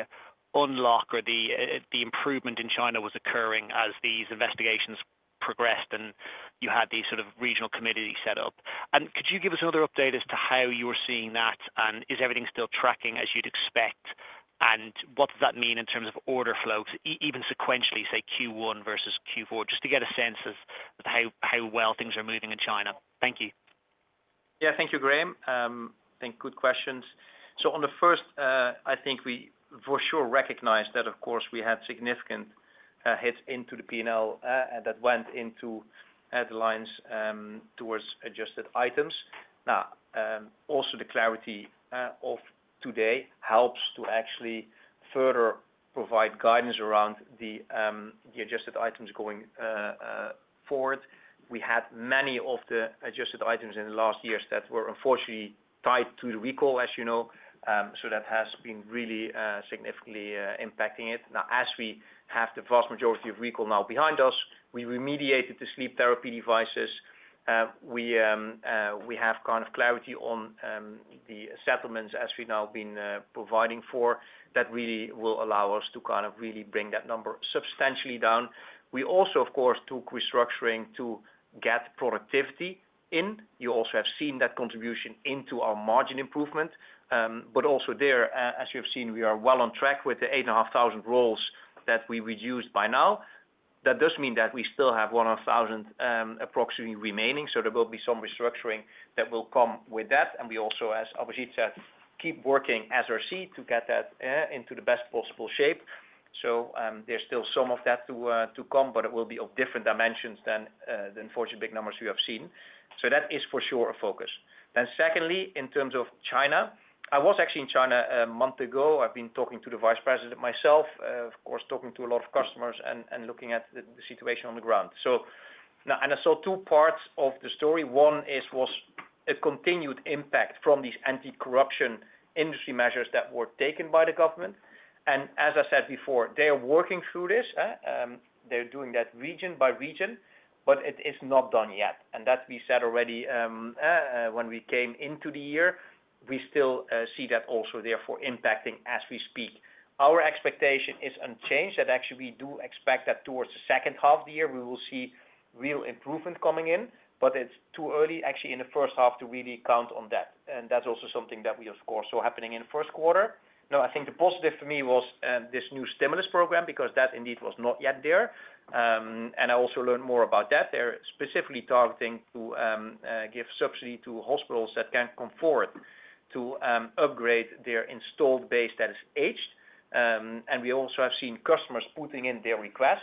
unlock or the improvement in China was occurring as these investigations progressed, and you had these sort of regional committee set up. And could you give us another update as to how you are seeing that? And is everything still tracking as you'd expect? And what does that mean in terms of order flows, even sequentially, say, Q1 versus Q4? Just to get a sense of how well things are moving in China. Thank you. Yeah, thank you, Graham. I think good questions. So on the first, I think we for sure recognize that, of course, we had significant hits into the P&L, and that went into headlines towards adjusted items. Now, also, the clarity of today helps to actually further provide guidance around the adjusted items going forward. We had many of the adjusted items in the last years that were unfortunately tied to the recall, as you know. So that has been really significantly impacting it. Now, as we have the vast majority of recall now behind us, we remediated the sleep therapy devices. We have kind of clarity on the settlements as we've now been providing for, that really will allow us to kind of really bring that number substantially down. We also, of course, took restructuring to get productivity in. You also have seen that contribution into our margin improvement. But also there, as you have seen, we are well on track with the 8,500 roles that we reduced by now. That does mean that we still have 1,000, approximately remaining, so there will be some restructuring that will come with that. And we also, as Abhijit said, keep working as a team to get that into the best possible shape. So, there's still some of that to come, but it will be of different dimensions than the unfortunately big numbers we have seen. So that is for sure a focus. Then secondly, in terms of China, I was actually in China a month ago. I've been talking to the vice president myself, of course, talking to a lot of customers and looking at the situation on the ground. So now I saw two parts of the story. One is a continued impact from these anti-corruption industry measures that were taken by the government. And as I said before, they are working through this, they're doing that region by region, but it is not done yet. And that we said already, when we came into the year, we still see that also therefore impacting as we speak. Our expectation is unchanged, that actually we do expect that towards the second half of the year, we will see real improvement coming in, but it's too early, actually, in the first half to really count on that. That's also something that we, of course, saw happening in the first quarter. Now, I think the positive for me was this new stimulus program, because that indeed was not yet there. And I also learned more about that. They're specifically targeting to give subsidy to hospitals that can come forward to upgrade their installed base that is aged. And we also have seen customers putting in their requests.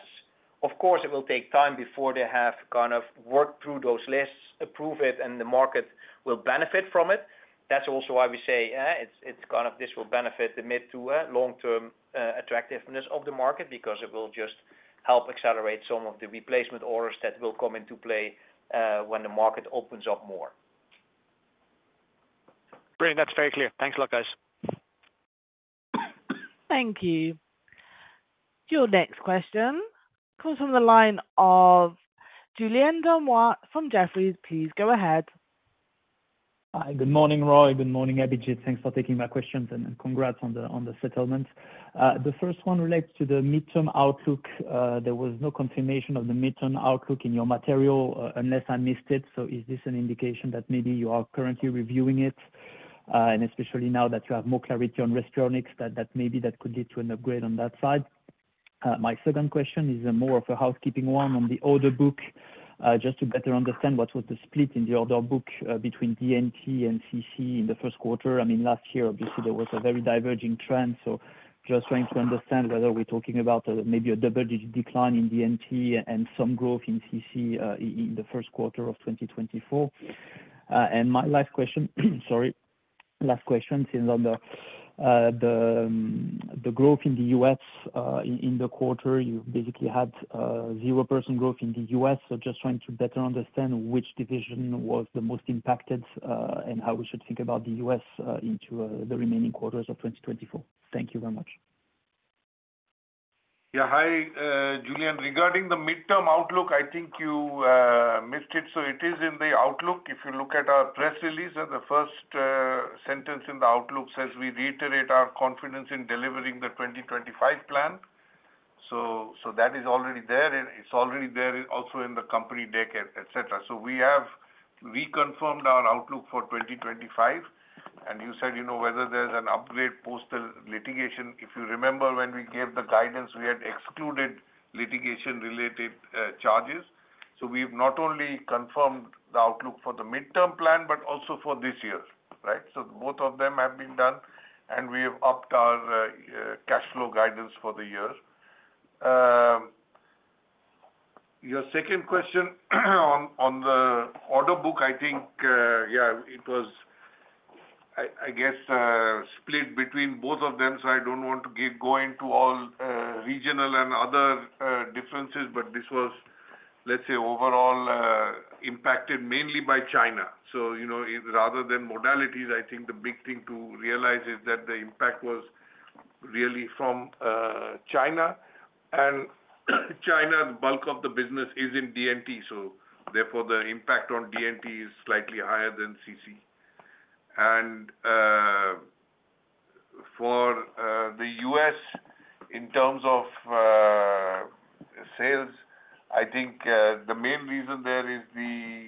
Of course, it will take time before they have kind of worked through those lists, approve it, and the market will benefit from it. That's also why we say, it's kind of this will benefit the mid- to long-term attractiveness of the market, because it will just help accelerate some of the replacement orders that will come into play when the market opens up more. Great. That's very clear. Thanks a lot, guys. Thank you. Your next question comes from the line of Julien Dormois from Jefferies. Please go ahead. Hi, good morning, Roy, good morning, Abhijit. Thanks for taking my questions, and congrats on the settlement. The first one relates to the midterm outlook. There was no confirmation of the midterm outlook in your material, unless I missed it. So is this an indication that maybe you are currently reviewing it? And especially now that you have more clarity on Respironics, that maybe that could lead to an upgrade on that side. My second question is more of a housekeeping one on the order book. Just to better understand what was the split in the order book between D&T and CC in the first quarter? I mean, last year, obviously, there was a very diverging trend. So just trying to understand whether we're talking about maybe a double-digit decline in D&T and some growth in CC in the first quarter of 2024. And my last question, sorry, last question is on the growth in the U.S. in the quarter. You basically had 0% growth in the U.S. So just trying to better understand which division was the most impacted and how we should think about the U.S. into the remaining quarters of 2024. Thank you very much. Yeah, hi, Julien. Regarding the midterm outlook, I think you missed it, so it is in the outlook. If you look at our press release, the first sentence in the outlook says, "We reiterate our confidence in delivering the 2025 plan." So, so that is already there, and it's already there, also in the company deck, et cetera. So we have reconfirmed our outlook for 2025, and you said, you know, whether there's an upgrade post the litigation. If you remember, when we gave the guidance, we had excluded litigation-related charges. So we've not only confirmed the outlook for the midterm plan, but also for this year, right? So both of them have been done, and we have upped our cash flow guidance for the year. Your second question, on the order book, I think it was split between both of them, so I don't want to go into all regional and other differences, but this was, let's say, overall, impacted mainly by China. So, you know, rather than modalities, I think the big thing to realize is that the impact was really from China. China, bulk of the business is in D&T, so therefore, the impact on D&T is slightly higher than CC. For the U.S. in terms of sales, I think the main reason there is the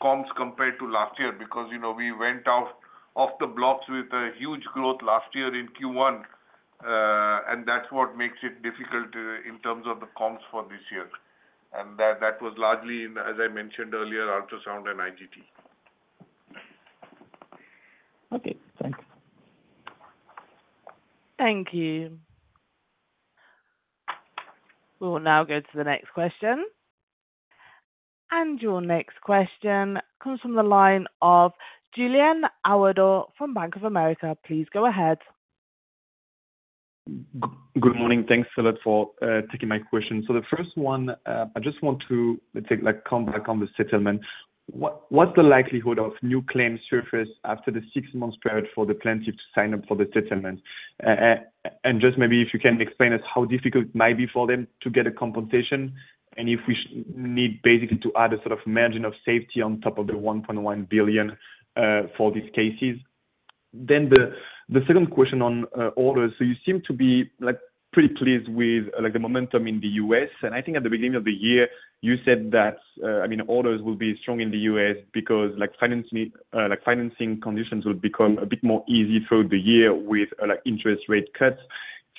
comps compared to last year, because, you know, we went out of the blocks with a huge growth last year in Q1. That's what makes it difficult in terms of the comps for this year, and that was largely in Ultrasound and IGT, as I mentioned earlier. Okay, thanks. Thank you. We will now go to the next question. Your next question comes from the line of Julien Ouaddour from Bank of America. Please go ahead. Good morning. Thanks a lot for taking my question. So the first one, I just want to, let's say, like, come back on the settlement. What, what's the likelihood of new claims surface after the six months period for the plaintiff to sign up for the settlement? And just maybe if you can explain us how difficult it might be for them to get a compensation, and if we need basically to add a sort of margin of safety on top of the $1.1 billion, for these cases. Then, the second question on orders: so you seem to be, like, pretty pleased with, like, the momentum in the U.S., and I think at the beginning of the year, you said that, I mean, orders will be strong in the U.S. because, like, financing conditions would become a bit more easy through the year with, like, interest rate cuts.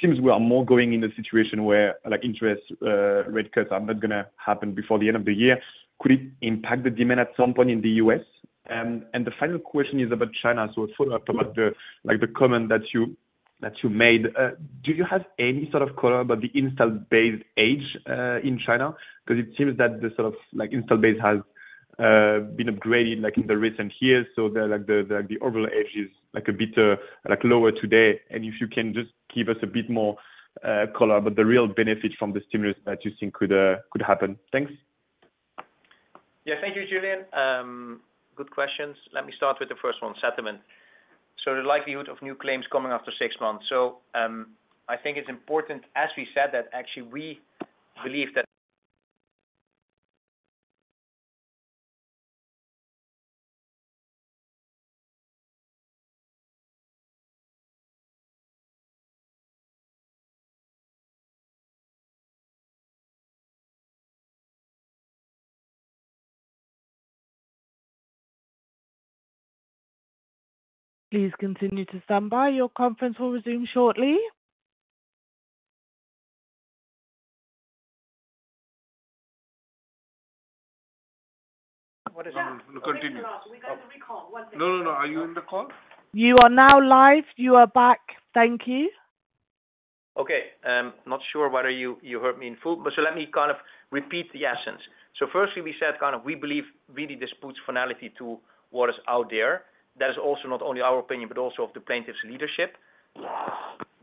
Seems we are more going in a situation where, like, interest rate cuts are not gonna happen before the end of the year. Could it impact the demand at some point in the U.S.? And the final question is about China. So a follow-up about the, like, the comment that you, that you made. Do you have any sort of color about the installed base age in China? Because it seems that the sort of, like, installed base has been upgraded, like, in the recent years, so the, like, the, like, the overall age is, like, a bit, like, lower today. And if you can just give us a bit more color about the real benefit from the stimulus that you think could, could happen. Thanks. Yeah, thank you, Julien. Good questions. Let me start with the first one, settlement. So the likelihood of new claims coming after six months. So, I think it's important, as we said, that actually we believe that, Please continue to stand by. Your conference will resume shortly. What is it? No, continue. We got a recall. One second. No, no, no. Are you in the call? You are now live. You are back. Thank you. Okay, not sure whether you, you heard me in full, but so let me kind of repeat the essence. So firstly, we said kind of we believe really this puts finality to what is out there. That is also not only our opinion, but also of the plaintiffs' leadership.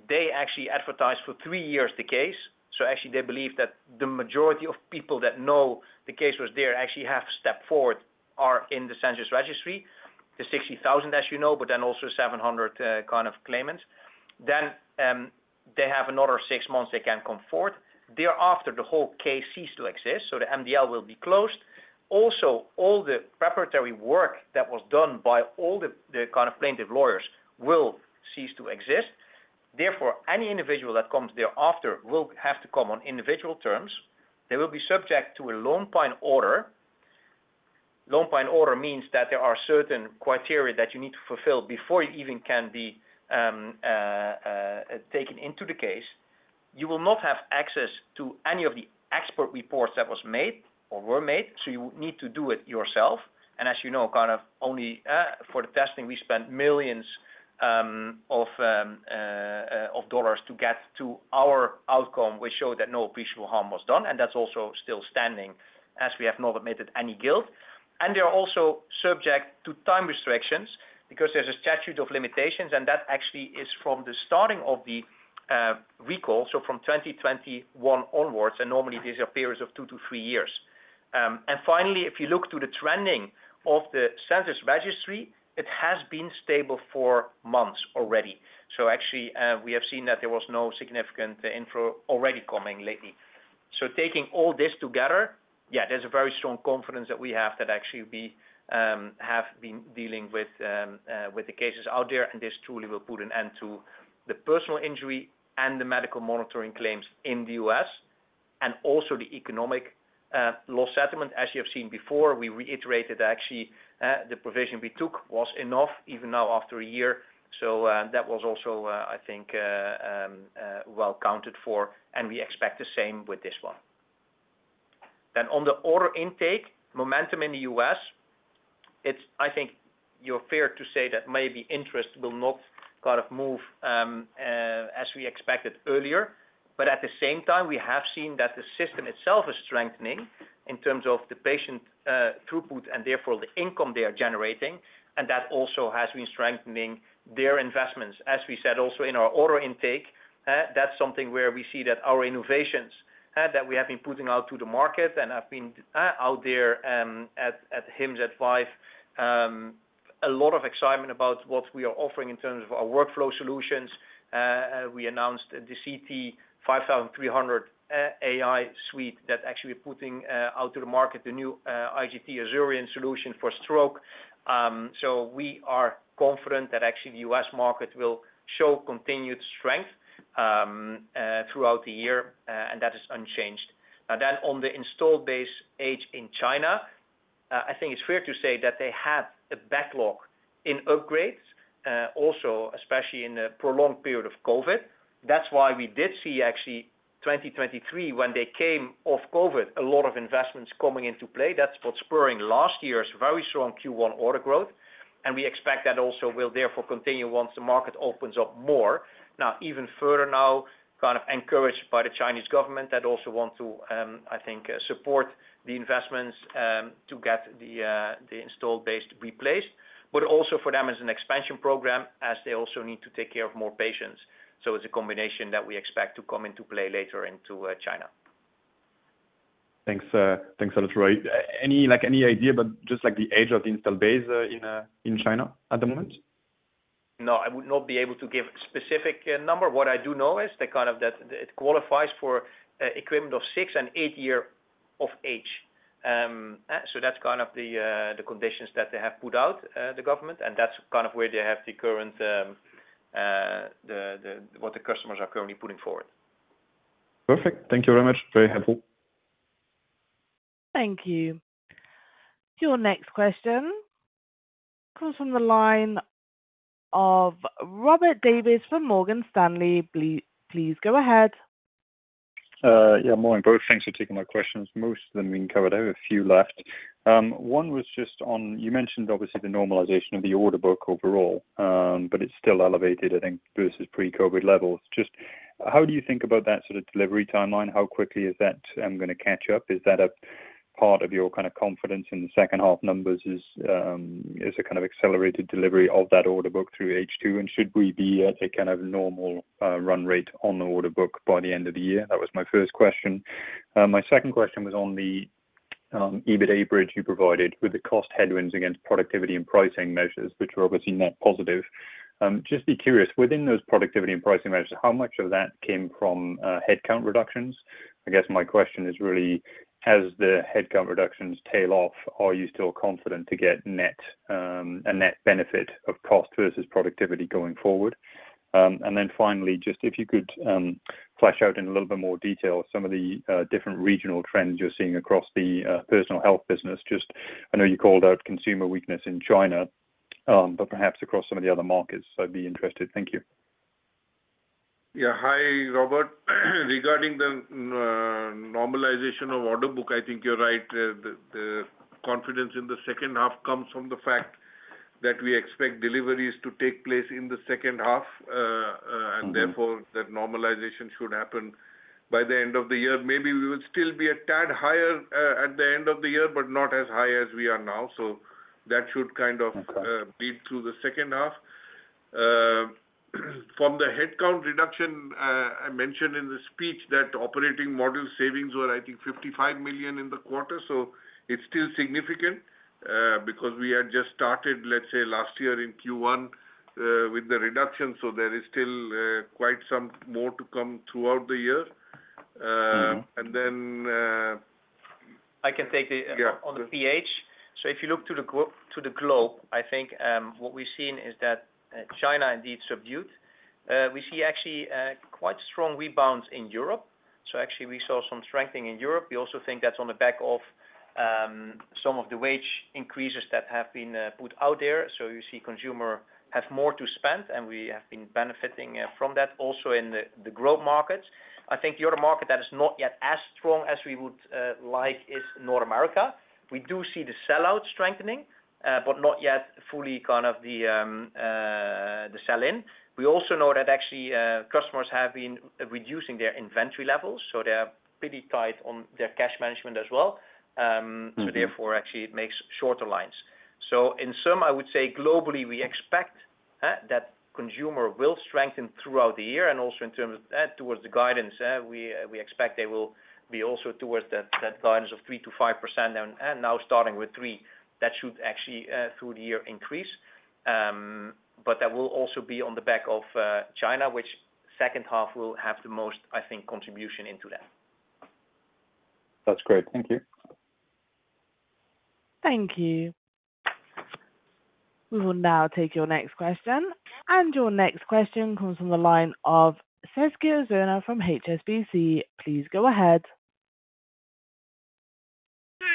They actually advertised for three years the case, so actually they believe that the majority of people that know the case was there actually have stepped forward, are in the settlement registry, the 60,000, as you know, but then also 700 kind of claimants. Then, they have another six months they can come forward. Thereafter, the whole case cease to exist, so the MDL will be closed. Also, all the preparatory work that was done by all the kind of plaintiff lawyers will cease to exist. Therefore, any individual that comes thereafter will have to come on individual terms. They will be subject to a Lone Pine order. Lone Pine order means that there are certain criteria that you need to fulfill before you even can be taken into the case. You will not have access to any of the expert reports that was made or were made, so you need to do it yourself. And as you know, kind of only for the testing, we spent millions of dollars to get to our outcome, which showed that no appreciable harm was done, and that's also still standing as we have not admitted any guilt. They are also subject to time restrictions because there's a statute of limitations, and that actually is from the starting of the recall, so from 2021 onwards, and normally these are periods of 2-3 years. Finally, if you look to the trending of the claims registry, it has been stable for months already. So actually, we have seen that there was no significant inflow already coming lately. So taking all this together, yeah, there's a very strong confidence that we have that actually we have been dealing with the cases out there, and this truly will put an end to the personal injury and the medical monitoring claims in the U.S. and also the economic loss settlement. As you have seen before, we reiterated actually the provision we took was enough, even now after a year. So, that was also, I think, well counted for, and we expect the same with this one. Then on the order intake, momentum in the U.S., it's I think you're fair to say that maybe interest will not kind of move, as we expected earlier, but at the same time, we have seen that the system itself is strengthening in terms of the patient throughput and therefore the income they are generating, and that also has been strengthening their investments. As we said also in our order intake, that's something where we see that our innovations that we have been putting out to the market and have been out there, at, at HIMSS and ViVE, a lot of excitement about what we are offering in terms of our workflow solutions. We announced the CT 5300 AI suite that actually putting out to the market, the new IGT Azurion solution for stroke. So we are confident that actually the U.S. market will show continued strength throughout the year, and that is unchanged. Then on the installed base aging in China, I think it's fair to say that they have a backlog in upgrades, also, especially in the prolonged period of COVID. That's why we did see actually 2023, when they came off COVID, a lot of investments coming into play. That's what's spurring last year's very strong Q1 order growth, and we expect that also will therefore continue once the market opens up more. Now, even further now, kind of encouraged by the Chinese government that also want to, I think, support the investments, to get the, the installed base replaced, but also for them as an expansion program, as they also need to take care of more patients. So it's a combination that we expect to come into play later into China. Thanks, thanks a lot, Roy. Any, like, any idea about just, like, the age of the installed base in China at the moment? No, I would not be able to give a specific number. What I do know is that kind of that it qualifies for equipment of six and eight years of age. So that's kind of the conditions that they have put out the government, and that's kind of where they have the current what the customers are currently putting forward. Perfect. Thank you very much. Very helpful. Thank you. Your next question comes from the line of Robert Davies from Morgan Stanley. Please go ahead. Yeah, morning, both. Thanks for taking my questions. Most of them have been covered. I have a few left. One was just on, you mentioned obviously the normalization of the order book overall, but it's still elevated, I think, versus pre-COVID levels. Just how do you think about that sort of delivery timeline? How quickly is that gonna catch up? Is that a part of your kind of confidence in the second half numbers, is a kind of accelerated delivery of that order book through H2, and should we be at a kind of normal run rate on the order book by the end of the year? That was my first question. My second question was on the EBITDA bridge you provided with the cost headwinds against productivity and pricing measures, which were obviously net positive. Just be curious, within those productivity and pricing measures, how much of that came from headcount reductions? I guess my question is really, as the headcount reductions tail off, are you still confident to get a net benefit of cost versus productivity going forward? And then finally, just if you could, flesh out in a little bit more detail some of the different regional trends you're seeing across the Personal Health business. Just, I know you called out consumer weakness in China, but perhaps across some of the other markets, I'd be interested. Thank you. Yeah. Hi, Robert. Regarding the normalization of order book, I think you're right. The confidence in the second half comes from the fact that we expect deliveries to take place in the second half. Therefore, that normalization should happen by the end of the year. Maybe we will still be a tad higher at the end of the year, but not as high as we are now. So that should kind of bleed through the second half. From the headcount reduction, I mentioned in the speech that operating margin savings were, I think, 55 million in the quarter, so it's still significant, because we had just started, let's say, last year in Q1, with the reduction. So there is still, quite some more to come throughout the year. And then, I can take the- Yeah On the PH. So if you look to the globe, I think, what we've seen is that, China indeed subdued. We see actually, quite strong rebounds in Europe. So actually we saw some strengthening in Europe. We also think that's on the back of, some of the wage increases that have been, put out there. So you see consumer have more to spend, and we have been benefiting, from that also in the, the growth markets. I think the other market that is not yet as strong as we would, like is North America. We do see the sell-out strengthening, but not yet fully kind of the, the sell-in. We also know that actually, customers have been reducing their inventory levels, so they're pretty tight on their cash management as well. So therefore, actually it makes shorter lines. So in sum, I would say globally, we expect that consumer will strengthen throughout the year and also in terms of towards the guidance, we expect they will be also towards that guidance of 3%-5% and now starting with three, that should actually through the year increase. But that will also be on the back of China, which second half will have the most, I think, contribution into that. That's great. Thank you. Thank you. We will now take your next question, and your next question comes from the line of Sezgi Ozener from HSBC. Please go ahead.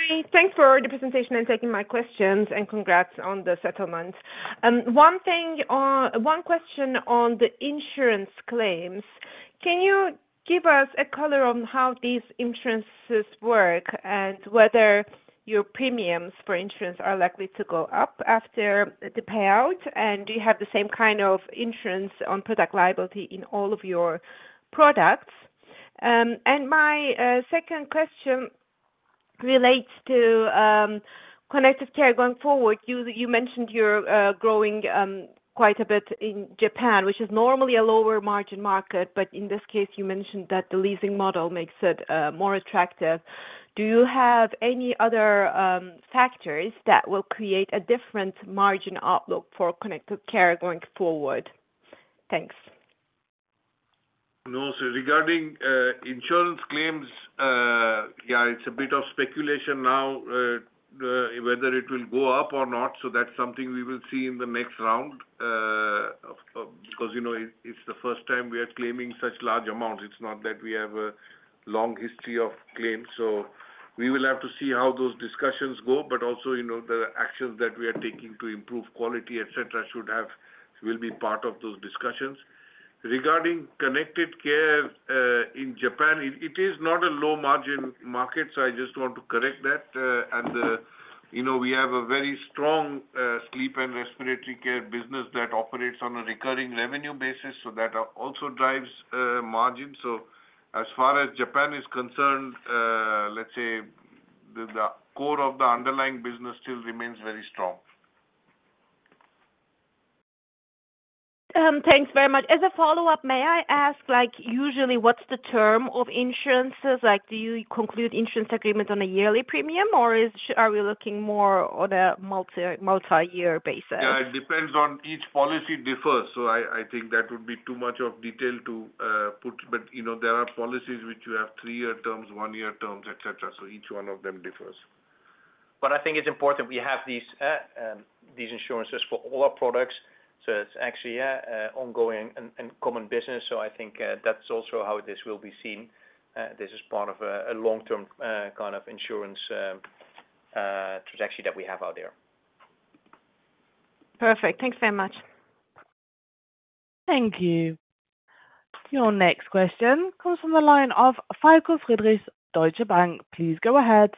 Hi. Thanks for the presentation and taking my questions, and congrats on the settlement. One thing, one question on the insurance claims. Can you give us a color on how these insurances work, and whether your premiums for insurance are likely to go up after the payout, and do you have the same kind of insurance on product liability in all of your products? My second question relates to Connected Care going forward. You mentioned you're growing quite a bit in Japan, which is normally a lower margin market, but in this case, you mentioned that the leasing model makes it more attractive. Do you have any other factors that will create a different margin outlook for Connected Care going forward? Thanks. No, so regarding insurance claims, yeah, it's a bit of speculation now, whether it will go up or not, so that's something we will see in the next round. 'Cause, you know, it, it's the first time we are claiming such large amounts. It's not that we have a long history of claims, so we will have to see how those discussions go. But also, you know, the actions that we are taking to improve quality, et cetera, should have, will be part of those discussions. Regarding Connected Care, in Japan, it is not a low-margin market, so I just want to correct that. And, you know, we have a very strong Sleep and Respiratory Care business that operates on a recurring revenue basis, so that also drives margin. As far as Japan is concerned, let's say the core of the underlying business still remains very strong. Thanks very much. As a follow-up, may I ask, like, usually what's the term of insurances? Like, do you conclude insurance agreements on a yearly premium, or is- are we looking more on a multi, multi-year basis? Yeah, it depends on each policy differs, so I think that would be too much of detail to put. But, you know, there are policies which you have three-year terms, one-year terms, et cetera, so each one of them differs. But I think it's important we have these insurances for all our products, so it's actually, yeah, a ongoing and common business. So I think, that's also how this will be seen. This is part of a long-term, kind of insurance trajectory that we have out there. Perfect. Thanks very much. Thank you. Your next question comes from the line of Falko Friedrichs, Deutsche Bank. Please go ahead.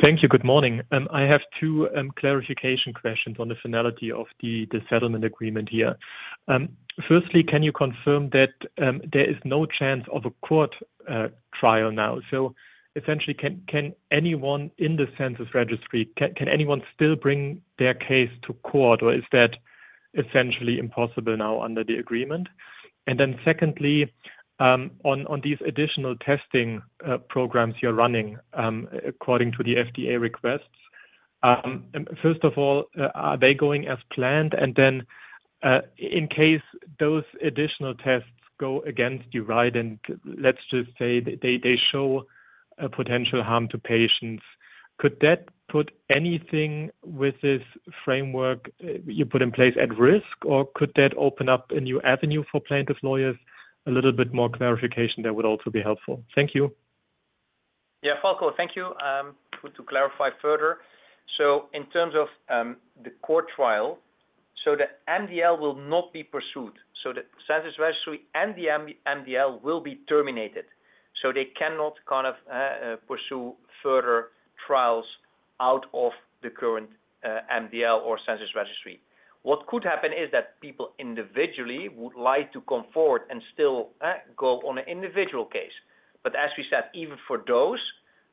Thank you. Good morning. I have two clarification questions on the finality of the settlement agreement here. Firstly, can you confirm that there is no chance of a court trial now? So essentially, can anyone in the class registry still bring their case to court, or is that essentially impossible now under the agreement? And then secondly, on these additional testing programs you're running according to the FDA requests, first of all, are they going as planned? And then, in case those additional tests go against you, right, and let's just say they show a potential harm to patients, could that put anything with this framework you put in place at risk, or could that open up a new avenue for plaintiffs' lawyers? A little bit more clarification there would also be helpful. Thank you. Yeah, Falco, thank you. To clarify further, so in terms of the court trial, so the MDL will not be pursued, so the Census Registry and the MDL will be terminated. So they cannot kind of pursue further trials out of the current MDL or Census Registry. What could happen is that people individually would like to come forward and still go on an individual case. But as we said, even for those,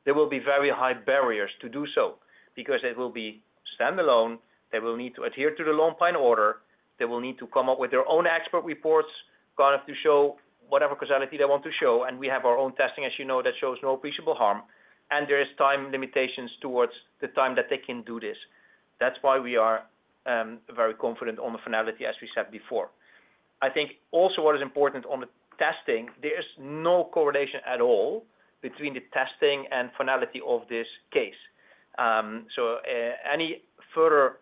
there will be very high barriers to do so, because they will be standalone, they will need to adhere to the Lone Pine order, they will need to come up with their own expert reports, kind of to show whatever causality they want to show, and we have our own testing, as you know, that shows no appreciable harm. There is time limitations towards the time that they can do this. That's why we are very confident on the finality, as we said before. I think also what is important on the testing, there is no correlation at all between the testing and finality of this case. So, any further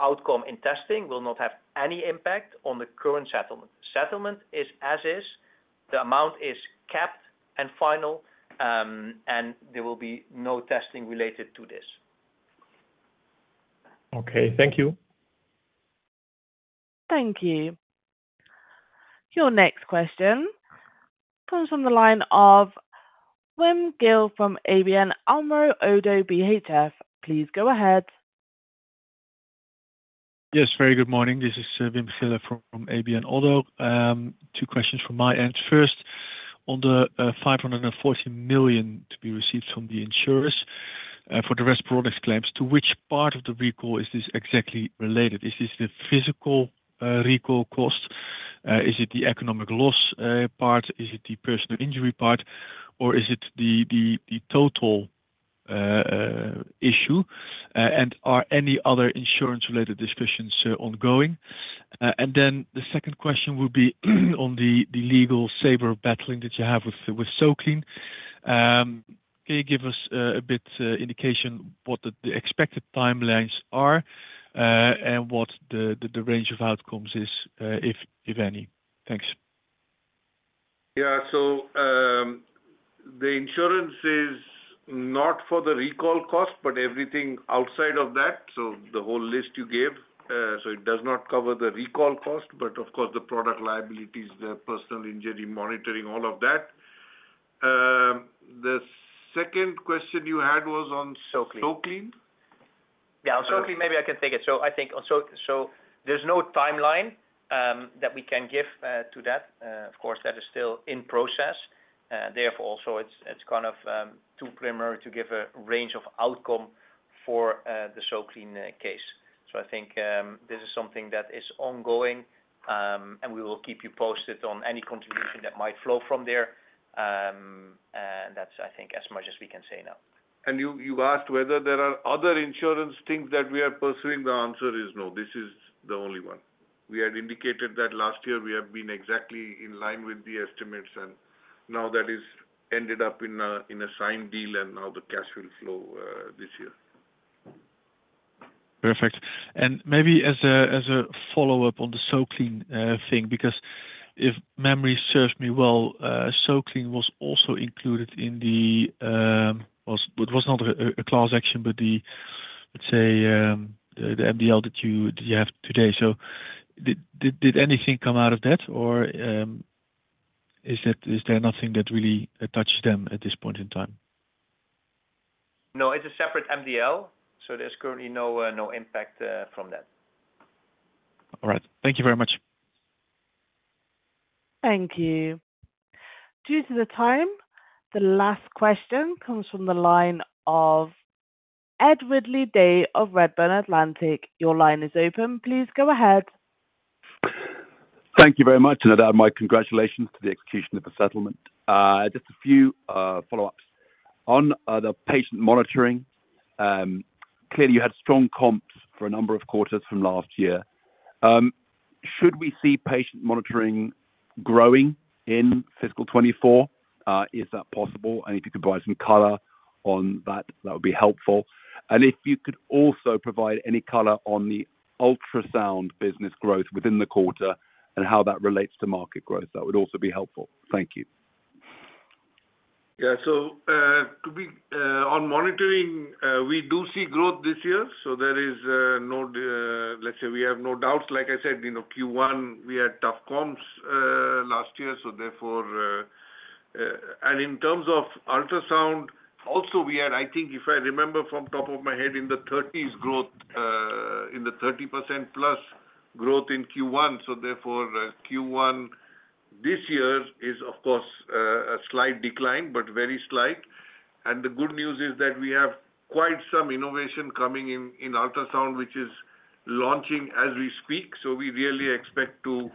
outcome in testing will not have any impact on the current settlement. Settlement is as is, the amount is capped and final, and there will be no testing related to this. Okay. Thank you. Thank you. Your next question comes from the line of Wim Gille from ABN AMRO ODDO BHF. Please go ahead. Yes, very good morning. This is Wim Gille from ABN AMRO. Two questions from my end. First, on the 540 million to be received from the insurers for the Respironics products claims, to which part of the recall is this exactly related? Is this the physical recall cost? Is it the economic loss part? Is it the personal injury part, or is it the total issue? And are any other insurance-related discussions ongoing? And then the second question would be on the legal saber rattling that you have with SoClean. Can you give us a bit indication what the expected timelines are, and what the range of outcomes is, if any? Thanks. Yeah. So, the insurance is not for the recall cost, but everything outside of that, so the whole list you gave. So it does not cover the recall cost, but of course, the product liabilities, the personal injury monitoring, all of that. The second question you had was on SoClean? Yeah. SoClean, maybe I can take it. So I think on SoClean there's no timeline that we can give to that. Of course, that is still in process. Therefore, also it's kind of too preliminary to give a range of outcome for the SoClean case. So I think this is something that is ongoing, and we will keep you posted on any contribution that might flow from there. And that's, I think, as much as we can say now. And you, you asked whether there are other insurance things that we are pursuing? The answer is no. This is the only one. We had indicated that last year we have been exactly in line with the estimates, and now that is ended up in a signed deal and now the cash will flow this year. Perfect. And maybe as a follow-up on the SoClean thing, because if memory serves me well, SoClean was also included in the... it was not a class action, but the, let's say, the MDL that you have today. So did anything come out of that? Or, is there nothing that really touched them at this point in time? No, it's a separate MDL, so there's currently no impact from that. All right. Thank you very much. Thank you. Due to the time, the last question comes from the line of Ed Ridley-Day of Redburn Atlantic. Your line is open. Please go ahead. Thank you very much, and I'd add my congratulations to the execution of the settlement. Just a few follow-ups. On the patient monitoring, clearly you had strong comps for a number of quarters from last year. Should we see patient monitoring growing in fiscal 2024? Is that possible? And if you could provide some color on that, that would be helpful. And if you could also provide any color on the ultrasound business growth within the quarter, and how that relates to market growth, that would also be helpful. Thank you. Yeah. So, to be on monitoring, we do see growth this year, so there is no, let's say we have no doubts. Like I said, you know, Q1, we had tough comps last year, so therefore. And in terms of ultrasound, also we had, I think, if I remember from top of my head, in the 30s growth, in the 30%+ growth in Q1, so therefore, Q1 this year is, of course, a slight decline, but very slight. And the good news is that we have quite some innovation coming in, in ultrasound, which is launching as we speak. So we really expect to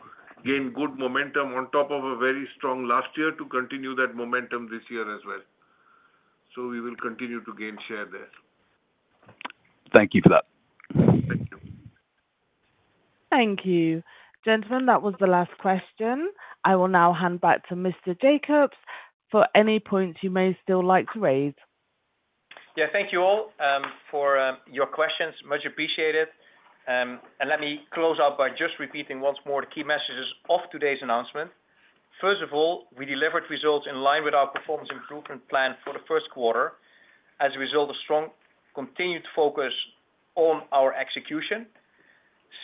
gain good momentum on top of a very strong last year, to continue that momentum this year as well. So we will continue to gain share there. Thank you for that. Thank you. Thank you. Gentlemen, that was the last question. I will now hand back to Mr. Jakobs for any points you may still like to raise. Yeah, thank you all for your questions. Much appreciated. And let me close out by just repeating once more the key messages of today's announcement. First of all, we delivered results in line with our performance improvement plan for the first quarter as a result of strong, continued focus on our execution.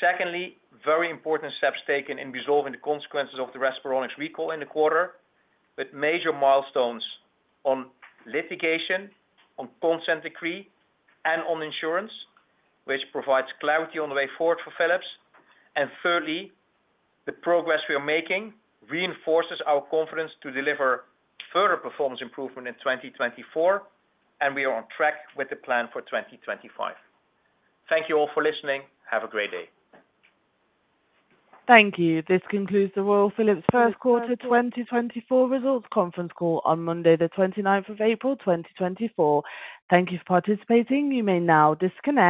Secondly, very important steps taken in resolving the consequences of the Respironics recall in the quarter, with major milestones on litigation, on consent decree, and on insurance, which provides clarity on the way forward for Philips. And thirdly, the progress we are making reinforces our confidence to deliver further performance improvement in 2024, and we are on track with the plan for 2025. Thank you all for listening. Have a great day. Thank you. This concludes the Royal Philips first quarter 2024 results conference call on Monday, the 29th of April, 2024. Thank you for participating. You may now disconnect.